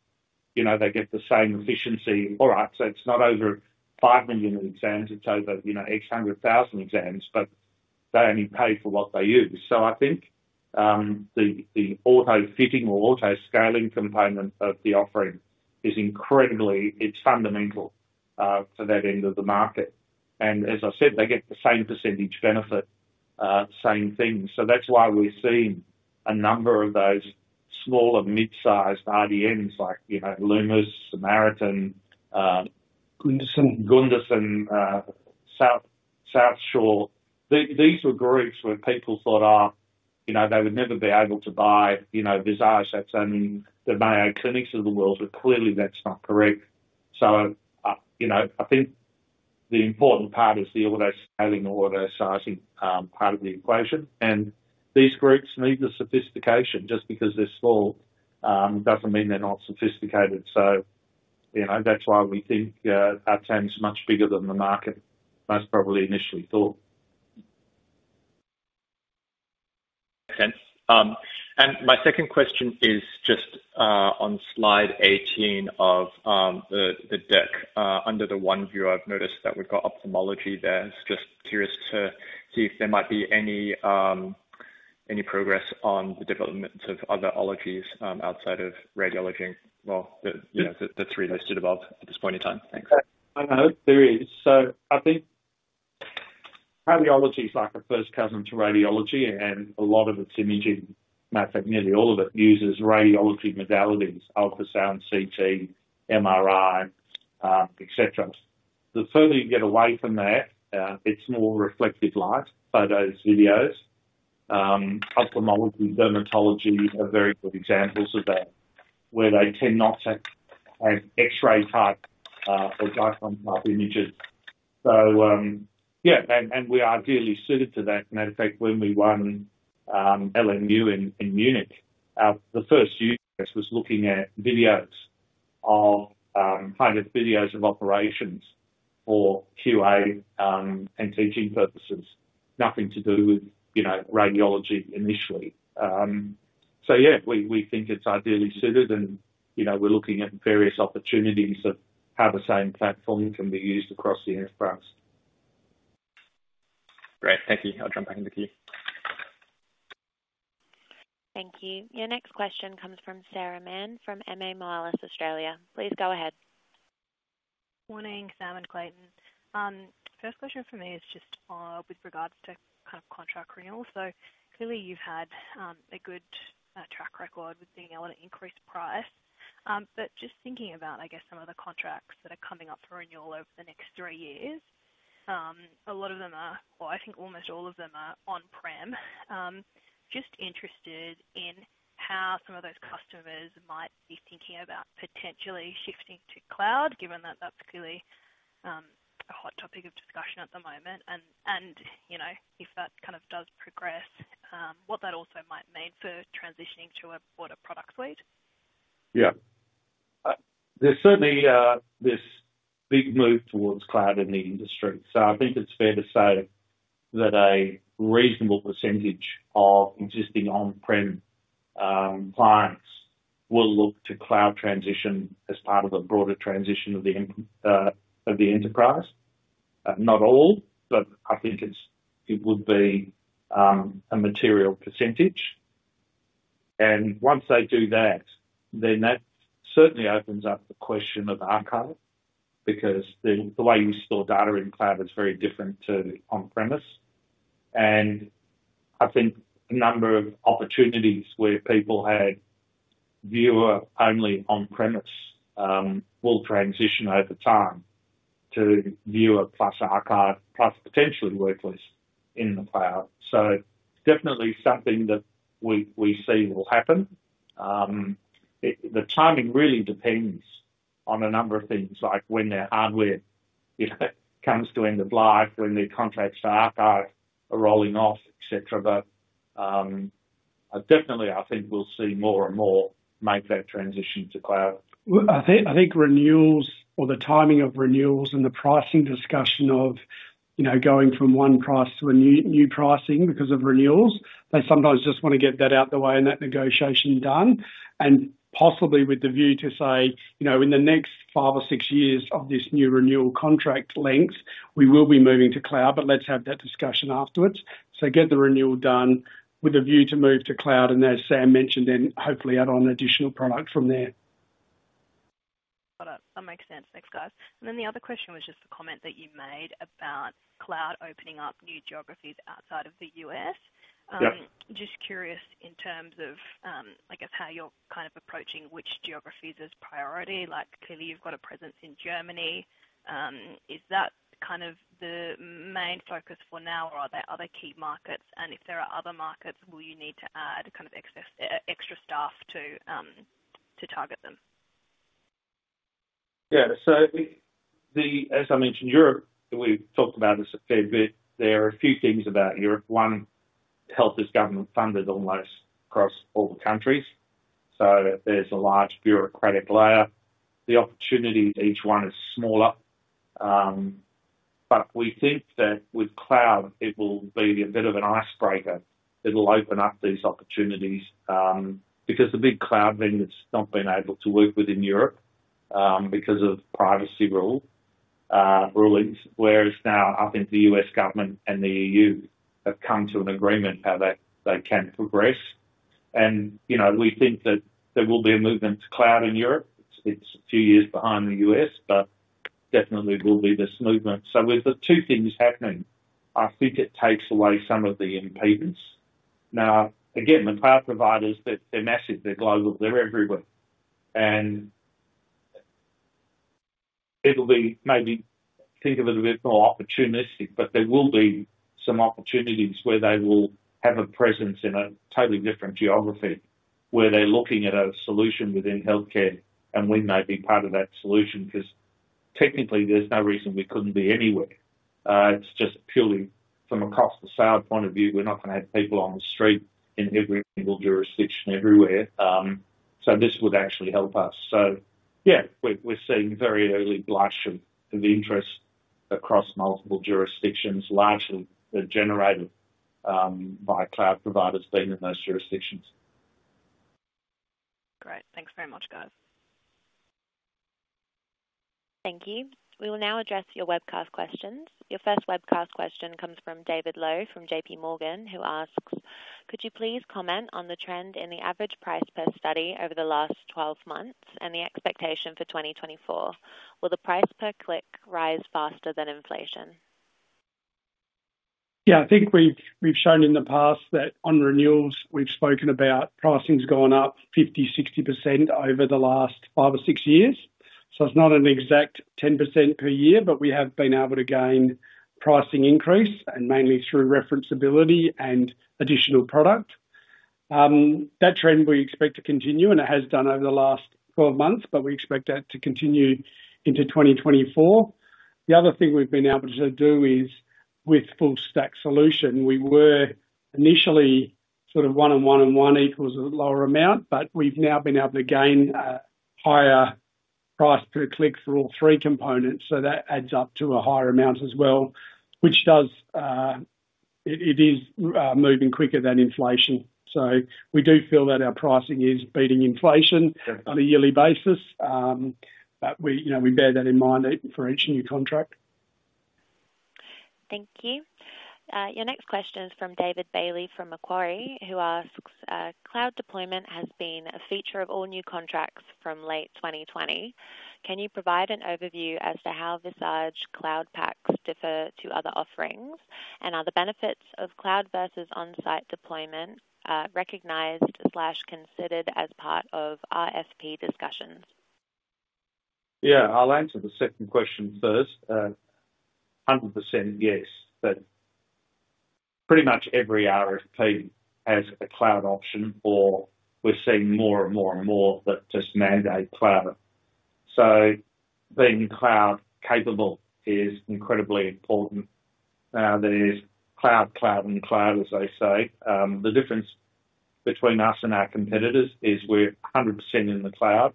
you know, they get the same efficiency. All right. So it's not over 5 million exams. It's over, you know, 800,000 exams, but they only pay for what they use. So I think, the, the auto fitting or auto-scaling component of the offering is incredibly, it's fundamental, for that end of the market. And as I said, they get the same percentage benefit, same thing. So that's why we're seeing a number of those smaller mid-sized RDMs like, you know, Lumus, Samaritan, Gundersen. Gundersen, South, South Shore. These were groups where people thought, "Oh, you know, they would never be able to buy, you know, Visage. That's only the Mayo Clinics of the world." But clearly, that's not correct. So, you know, I think the important part is the auto-scaling, auto-sizing, part of the equation. And these groups need the sophistication. Just because they're small, doesn't mean they're not sophisticated. So, you know, that's why we think our TAM is much bigger than the market most probably initially thought. Makes sense. And my second question is just on slide 18 of the deck, under the One Viewer. I've noticed that we've got ophthalmology there. I was just curious to see if there might be any progress on the development of other ologies outside of radiology and, well, the three listed above at this point in time. Thanks. I know. There is. So I think cardiology's like a first cousin to radiology. And a lot of its imaging method, nearly all of it, uses radiology modalities: ultrasound, CT, MRI, etc. The further you get away from that, it's more reflective light, photos, videos. Ophthalmology, dermatology are very good examples of that where they tend not to have X-ray type, or DICOM type images. So, yeah. And, and we're ideally suited to that. As a matter of fact, when we won LMU in Munich, our first use case was looking at videos of kind of videos of operations for QA, and teaching purposes, nothing to do with, you know, radiology initially. So yeah, we, we think it's ideally suited. And, you know, we're looking at various opportunities of how the same platform can be used across the enterprise. Great. Thank you. I'll jump back into queue. Thank you. Your next question comes from Sarah Mann from MA Moelis Australia. Please go ahead. Morning, Sam and Clayton. First question for me is just with regards to kind of contract renewal. So clearly, you've had a good track record with being able to increase price. But just thinking about, I guess, some of the contracts that are coming up for renewal over the next three years, a lot of them are or I think almost all of them are on-prem. Just interested in how some of those customers might be thinking about potentially shifting to cloud given that that's clearly a hot topic of discussion at the moment. And, and, you know, if that kind of does progress, what that also might mean for transitioning to a broader product suite. Yeah. There's certainly this big move towards cloud in the industry. So I think it's fair to say that a reasonable percentage of existing on-prem clients will look to cloud transition as part of a broader transition of the entire enterprise. Not all, but I think it would be a material percentage. And once they do that, then that certainly opens up the question of archive because the way we store data in cloud is very different to on-premise. And I think a number of opportunities where people had viewer-only on-premise will transition over time to viewer-plus-archive-plus-potentially-worklist in the cloud. So definitely something that we see will happen. The timing really depends on a number of things, like when their hardware, you know, comes to end of life, when their contracts for archive are rolling off, etc. But I definitely think we'll see more and more make that transition to cloud. Well, I think renewals or the timing of renewals and the pricing discussion of, you know, going from one price to a new, new pricing because of renewals, they sometimes just want to get that out of the way and that negotiation done. And possibly with the view to say, you know, in the next five or six years of this new renewal contract length, we will be moving to cloud, but let's have that discussion afterwards. So get the renewal done with a view to move to cloud. And as Sam mentioned, then hopefully add on additional product from there. Got it. That makes sense. Thanks, guys. And then the other question was just a comment that you made about cloud opening up new geographies outside of the U.S. Yep. Just curious in terms of, I guess, how you're kind of approaching which geographies as priority. Like, clearly, you've got a presence in Germany. Is that kind of the main focus for now, or are there other key markets? And if there are other markets, will you need to add kind of excess extra staff to target them? Yeah. So, as I mentioned, Europe, we've talked about this a fair bit. There are a few things about Europe. One, health is government-funded almost across all the countries. So there's a large bureaucratic layer. The opportunities, each one is smaller. But we think that with cloud, it will be a bit of an icebreaker that'll open up these opportunities, because the big cloud vendors have not been able to work within Europe, because of privacy rulings. Whereas now, I think the U.S. government and the EU have come to an agreement how they can progress. You know, we think that there will be a movement to cloud in Europe. It's a few years behind the U.S., but definitely will be this movement. So with the two things happening, I think it takes away some of the impedance. Now, again, the cloud providers, they're massive. They're global. They're everywhere. And it'll be maybe think of it a bit more opportunistic, but there will be some opportunities where they will have a presence in a totally different geography where they're looking at a solution within healthcare. And we may be part of that solution because technically, there's no reason we couldn't be anywhere. It's just purely from a cost-to-sale point of view, we're not going to have people on the street in every single jurisdiction everywhere. So this would actually help us. So yeah, we're seeing very early blush of interest across multiple jurisdictions, largely generated by cloud providers being in those jurisdictions. Great. Thanks very much, guys. Thank you. We will now address your webcast questions. Your first webcast question comes from David Lowe from JPMorgan, who asks, "Could you please comment on the trend in the average price per study over the last 12 months and the expectation for 2024? Will the price per click rise faster than inflation?" Yeah. I think we've shown in the past that on renewals, we've spoken about pricing's gone up 50%-60% over the last five or six years. So it's not an exact 10% per year, but we have been able to gain pricing increase and mainly through referenceability and additional product. That trend we expect to continue. And it has done over the last 12 months, but we expect that to continue into 2024. The other thing we've been able to do is with full-stack solution, we were initially sort of one and one and one equals a lower amount, but we've now been able to gain a higher price per click for all three components. So that adds up to a higher amount as well, which does, it, it is, moving quicker than inflation. So we do feel that our pricing is beating inflation on a yearly basis. But we, you know, we bear that in mind for each new contract. Thank you. Your next question is from David Bailey from Macquarie, who asks, cloud deployment has been a feature of all new contracts from late 2020. Can you provide an overview as to how Visage cloud PACS differ to other offerings? And are the benefits of cloud versus on-site deployment recognized or considered as part of RFP discussions? Yeah. I'll answer the second question first. 100% yes. But pretty much every RFP has a cloud option, or we're seeing more and more and more that just mandate cloud. So being cloud-capable is incredibly important. Now, there is cloud, cloud, and cloud, as they say. The difference between us and our competitors is we're 100% in the cloud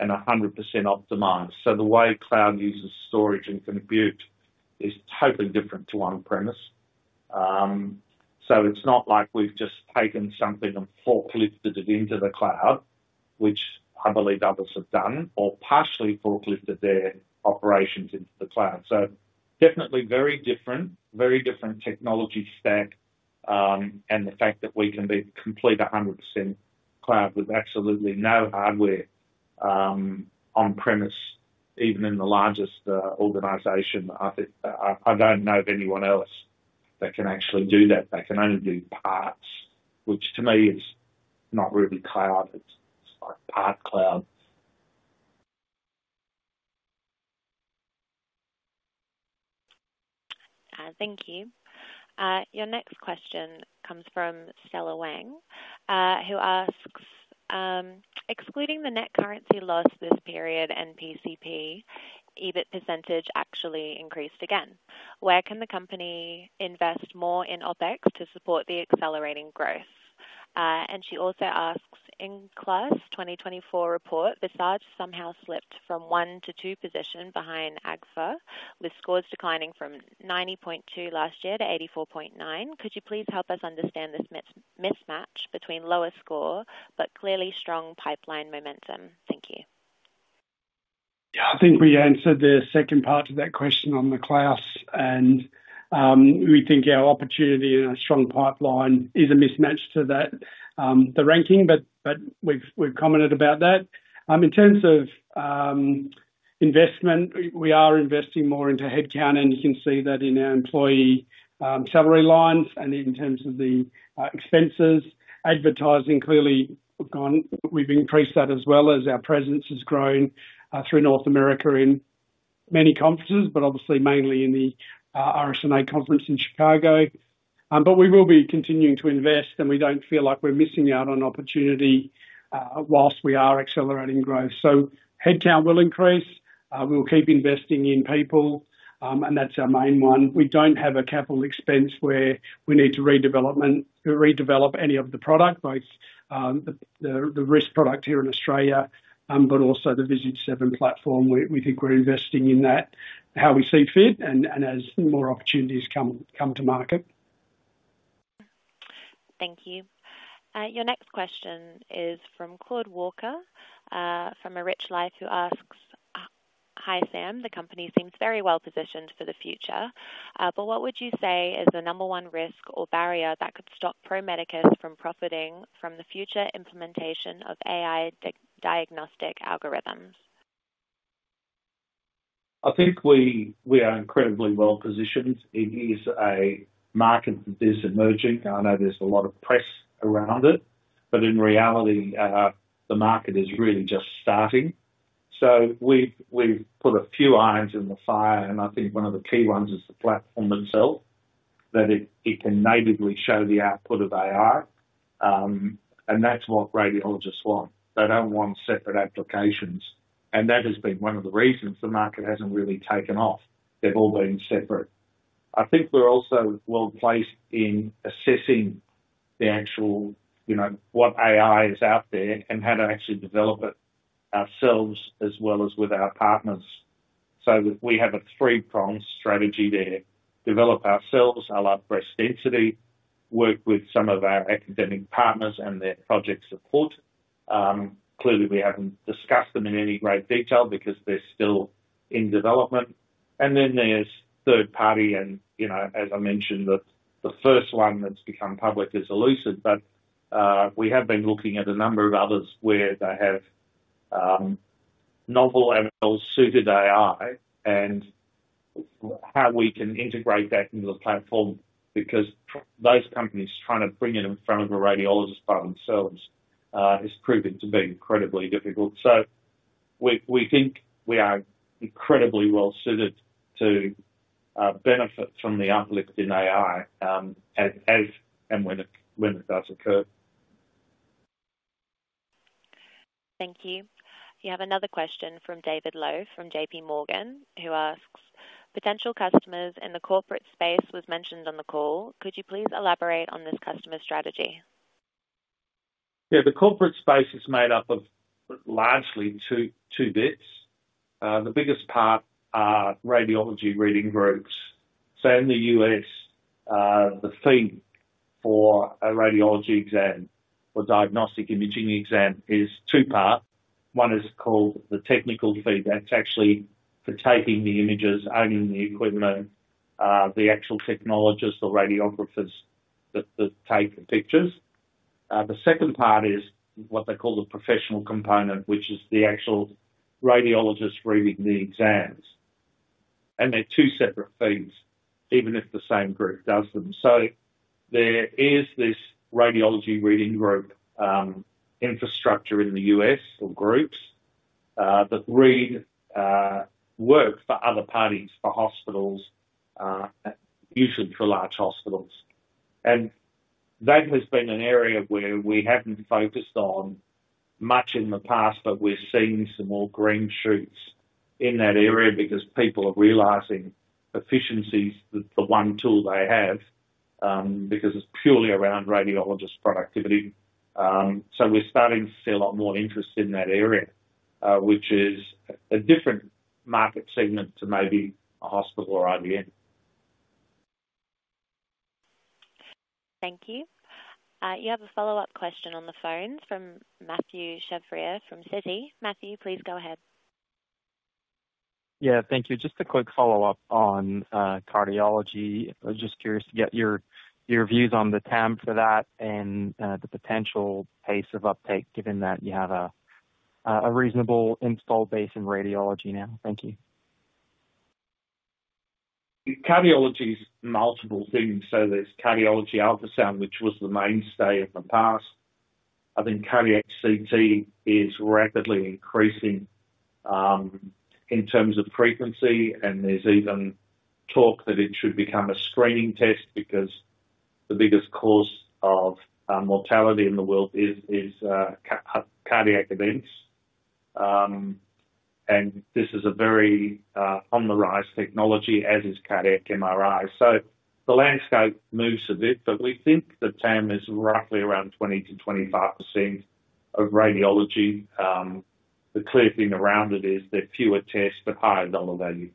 and 100% optimized. So the way cloud uses storage and compute is totally different to on-premise. So it's not like we've just taken something and forklifted it into the cloud, which I believe others have done, or partially forklifted their operations into the cloud. So definitely very different, very different technology stack, and the fact that we can be complete 100% cloud with absolutely no hardware on-premise, even in the largest organization. I think I, I don't know of anyone else that can actually do that. They can only do parts, which to me is not really cloud. It's, it's like part cloud. Thank you. Your next question comes from Stella Wang, who asks, excluding the net currency loss this period and PCP, EBIT percentage actually increased again. Where can the company invest more in OpEx to support the accelerating growth? And she also asks, In KLAS 2024 report, Visage somehow slipped from one to two position behind Agfa, with scores declining from 90.2 last year to 84.9. Could you please help us understand this mismatch between lower score but clearly strong pipeline momentum? Thank you. Yeah. I think we answered the second part to that question on the KLAS. We think our opportunity and our strong pipeline is a mismatch to that, the ranking, but, but we've, we've commented about that. In terms of investment, we are investing more into headcount. You can see that in our employee salary lines and in terms of the expenses. Advertising, clearly we've increased that as well as our presence has grown through North America in many conferences, but obviously mainly in the RSNA conference in Chicago. We will be continuing to invest. We don't feel like we're missing out on opportunity, while we are accelerating growth. Headcount will increase. We'll keep investing in people. That's our main one. We don't have a capital expense where we need to redevelop any of the product, both the RIS product here in Australia, but also the Visage 7 platform. We, we think we're investing in that how we see fit and, and as more opportunities come, come to market. Thank you. Your next question is from Claude Walker, from A Rich Life, who asks, "Hi, Sam. The company seems very well positioned for the future. But what would you say is the number one risk or barrier that could stop Pro Medicus from profiting from the future implementation of AI diagnostic algorithms?" I think we, we are incredibly well positioned. It is a market that is emerging. I know there's a lot of press around it, but in reality, the market is really just starting. So we've, we've put a few irons in the fire. And I think one of the key ones is the platform itself, that it, it can natively show the output of AI. And that's what radiologists want. They don't want separate applications. That has been one of the reasons the market hasn't really taken off. They've all been separate. I think we're also well placed in assessing the actual, you know, what AI is out there and how to actually develop it ourselves as well as with our partners. We have a three-pronged strategy there: develop ourselves, our lab breast density, work with some of our academic partners and their project support. Clearly, we haven't discussed them in any great detail because they're still in development. Then there's third-party. You know, as I mentioned, the first one that's become public is Elucid. But we have been looking at a number of others where they have novel and well-suited AI and how we can integrate that into the platform because those companies trying to bring it in front of a radiologist by themselves has proven to be incredibly difficult. So we, we think we are incredibly well suited to benefit from the uplift in AI, as, as and when it when it does occur. Thank you. We have another question from David Lowe from JPMorgan, who asks, "Potential customers in the corporate space was mentioned on the call. Could you please elaborate on this customer strategy?" Yeah. The corporate space is made up of largely two, two bits. The biggest part are radiology reading groups. So in the U.S., the fee for a radiology exam or diagnostic imaging exam is two-part. One is called the technical fee. That's actually for taking the images, owning the equipment, the actual technologists, the radiographers that take the pictures. The second part is what they call the professional component, which is the actual radiologists reading the exams. They're two separate fees, even if the same group does them. There is this radiology reading group infrastructure in the US or groups that read, work for other parties, for hospitals, usually for large hospitals. That has been an area where we haven't focused on much in the past, but we're seeing some more green shoots in that area because people are realizing efficiencies that the one tool they have, because it's purely around radiologist productivity. We're starting to see a lot more interest in that area, which is a different market segment to maybe a hospital or IDN. Thank you. You have a follow-up question on the phone from Mathieu Chevrier from Citi. Mathieu, please go ahead. Yeah. Thank you. Just a quick follow-up on cardiology. Just curious to get your, your views on the TAM for that and, the potential pace of uptake, given that you have a, a reasonable install base in radiology now. Thank you. Cardiology's multiple things. So there's cardiology ultrasound, which was the mainstay in the past. I think cardiac CT is rapidly increasing, in terms of frequency. And there's even talk that it should become a screening test because the biggest cause of mortality in the world is, is, cardiac events. And this is a very on-the-rise technology, as is cardiac MRI. So the landscape moves a bit, but we think the TAM is roughly around 20%-25% of radiology. The clear thing around it is there are fewer tests but higher dollar value.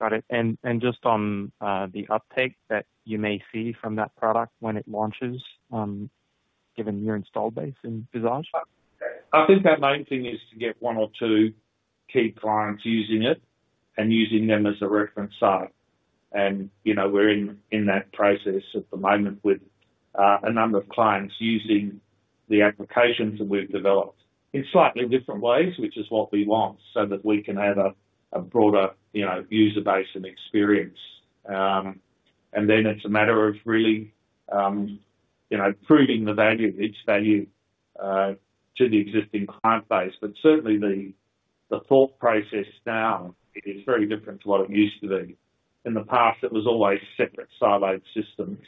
Got it. And, and just on, the uptake that you may see from that product when it launches, given your install base in Visage? I think our main thing is to get one or two key clients using it and using them as a reference site. And, you know, we're in, in that process at the moment with, a number of clients using the applications that we've developed in slightly different ways, which is what we want so that we can have a, a broader, you know, user base and experience. And then it's a matter of really, you know, proving the value, its value, to the existing client base. But certainly, the, the thought process now is very different to what it used to be. In the past, it was always separate, siloed systems.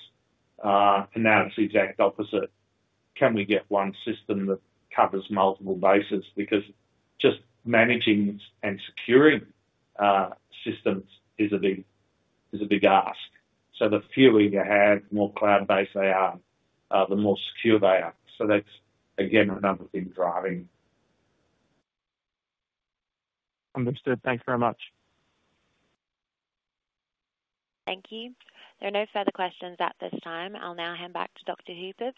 And now it's the exact opposite. Can we get one system that covers multiple bases? Because just managing and securing systems is a big ask. So the fewer you have, the more cloud-based they are, the more secure they are. So that's, again, another thing driving. Understood. Thanks very much. Thank you. There are no further questions at this time. I'll now hand back to Dr. Hupert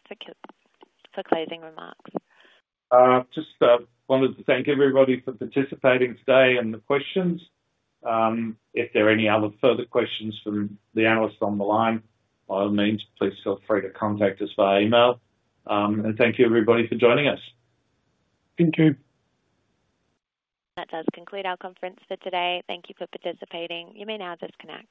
for closing remarks. Just wanted to thank everybody for participating today and the questions. If there are any other further questions from the analysts on the line, by all means, please feel free to contact us via email. And thank you, everybody, for joining us. Thank you. That does conclude our conference for today. Thank you for participating. You may now disconnect.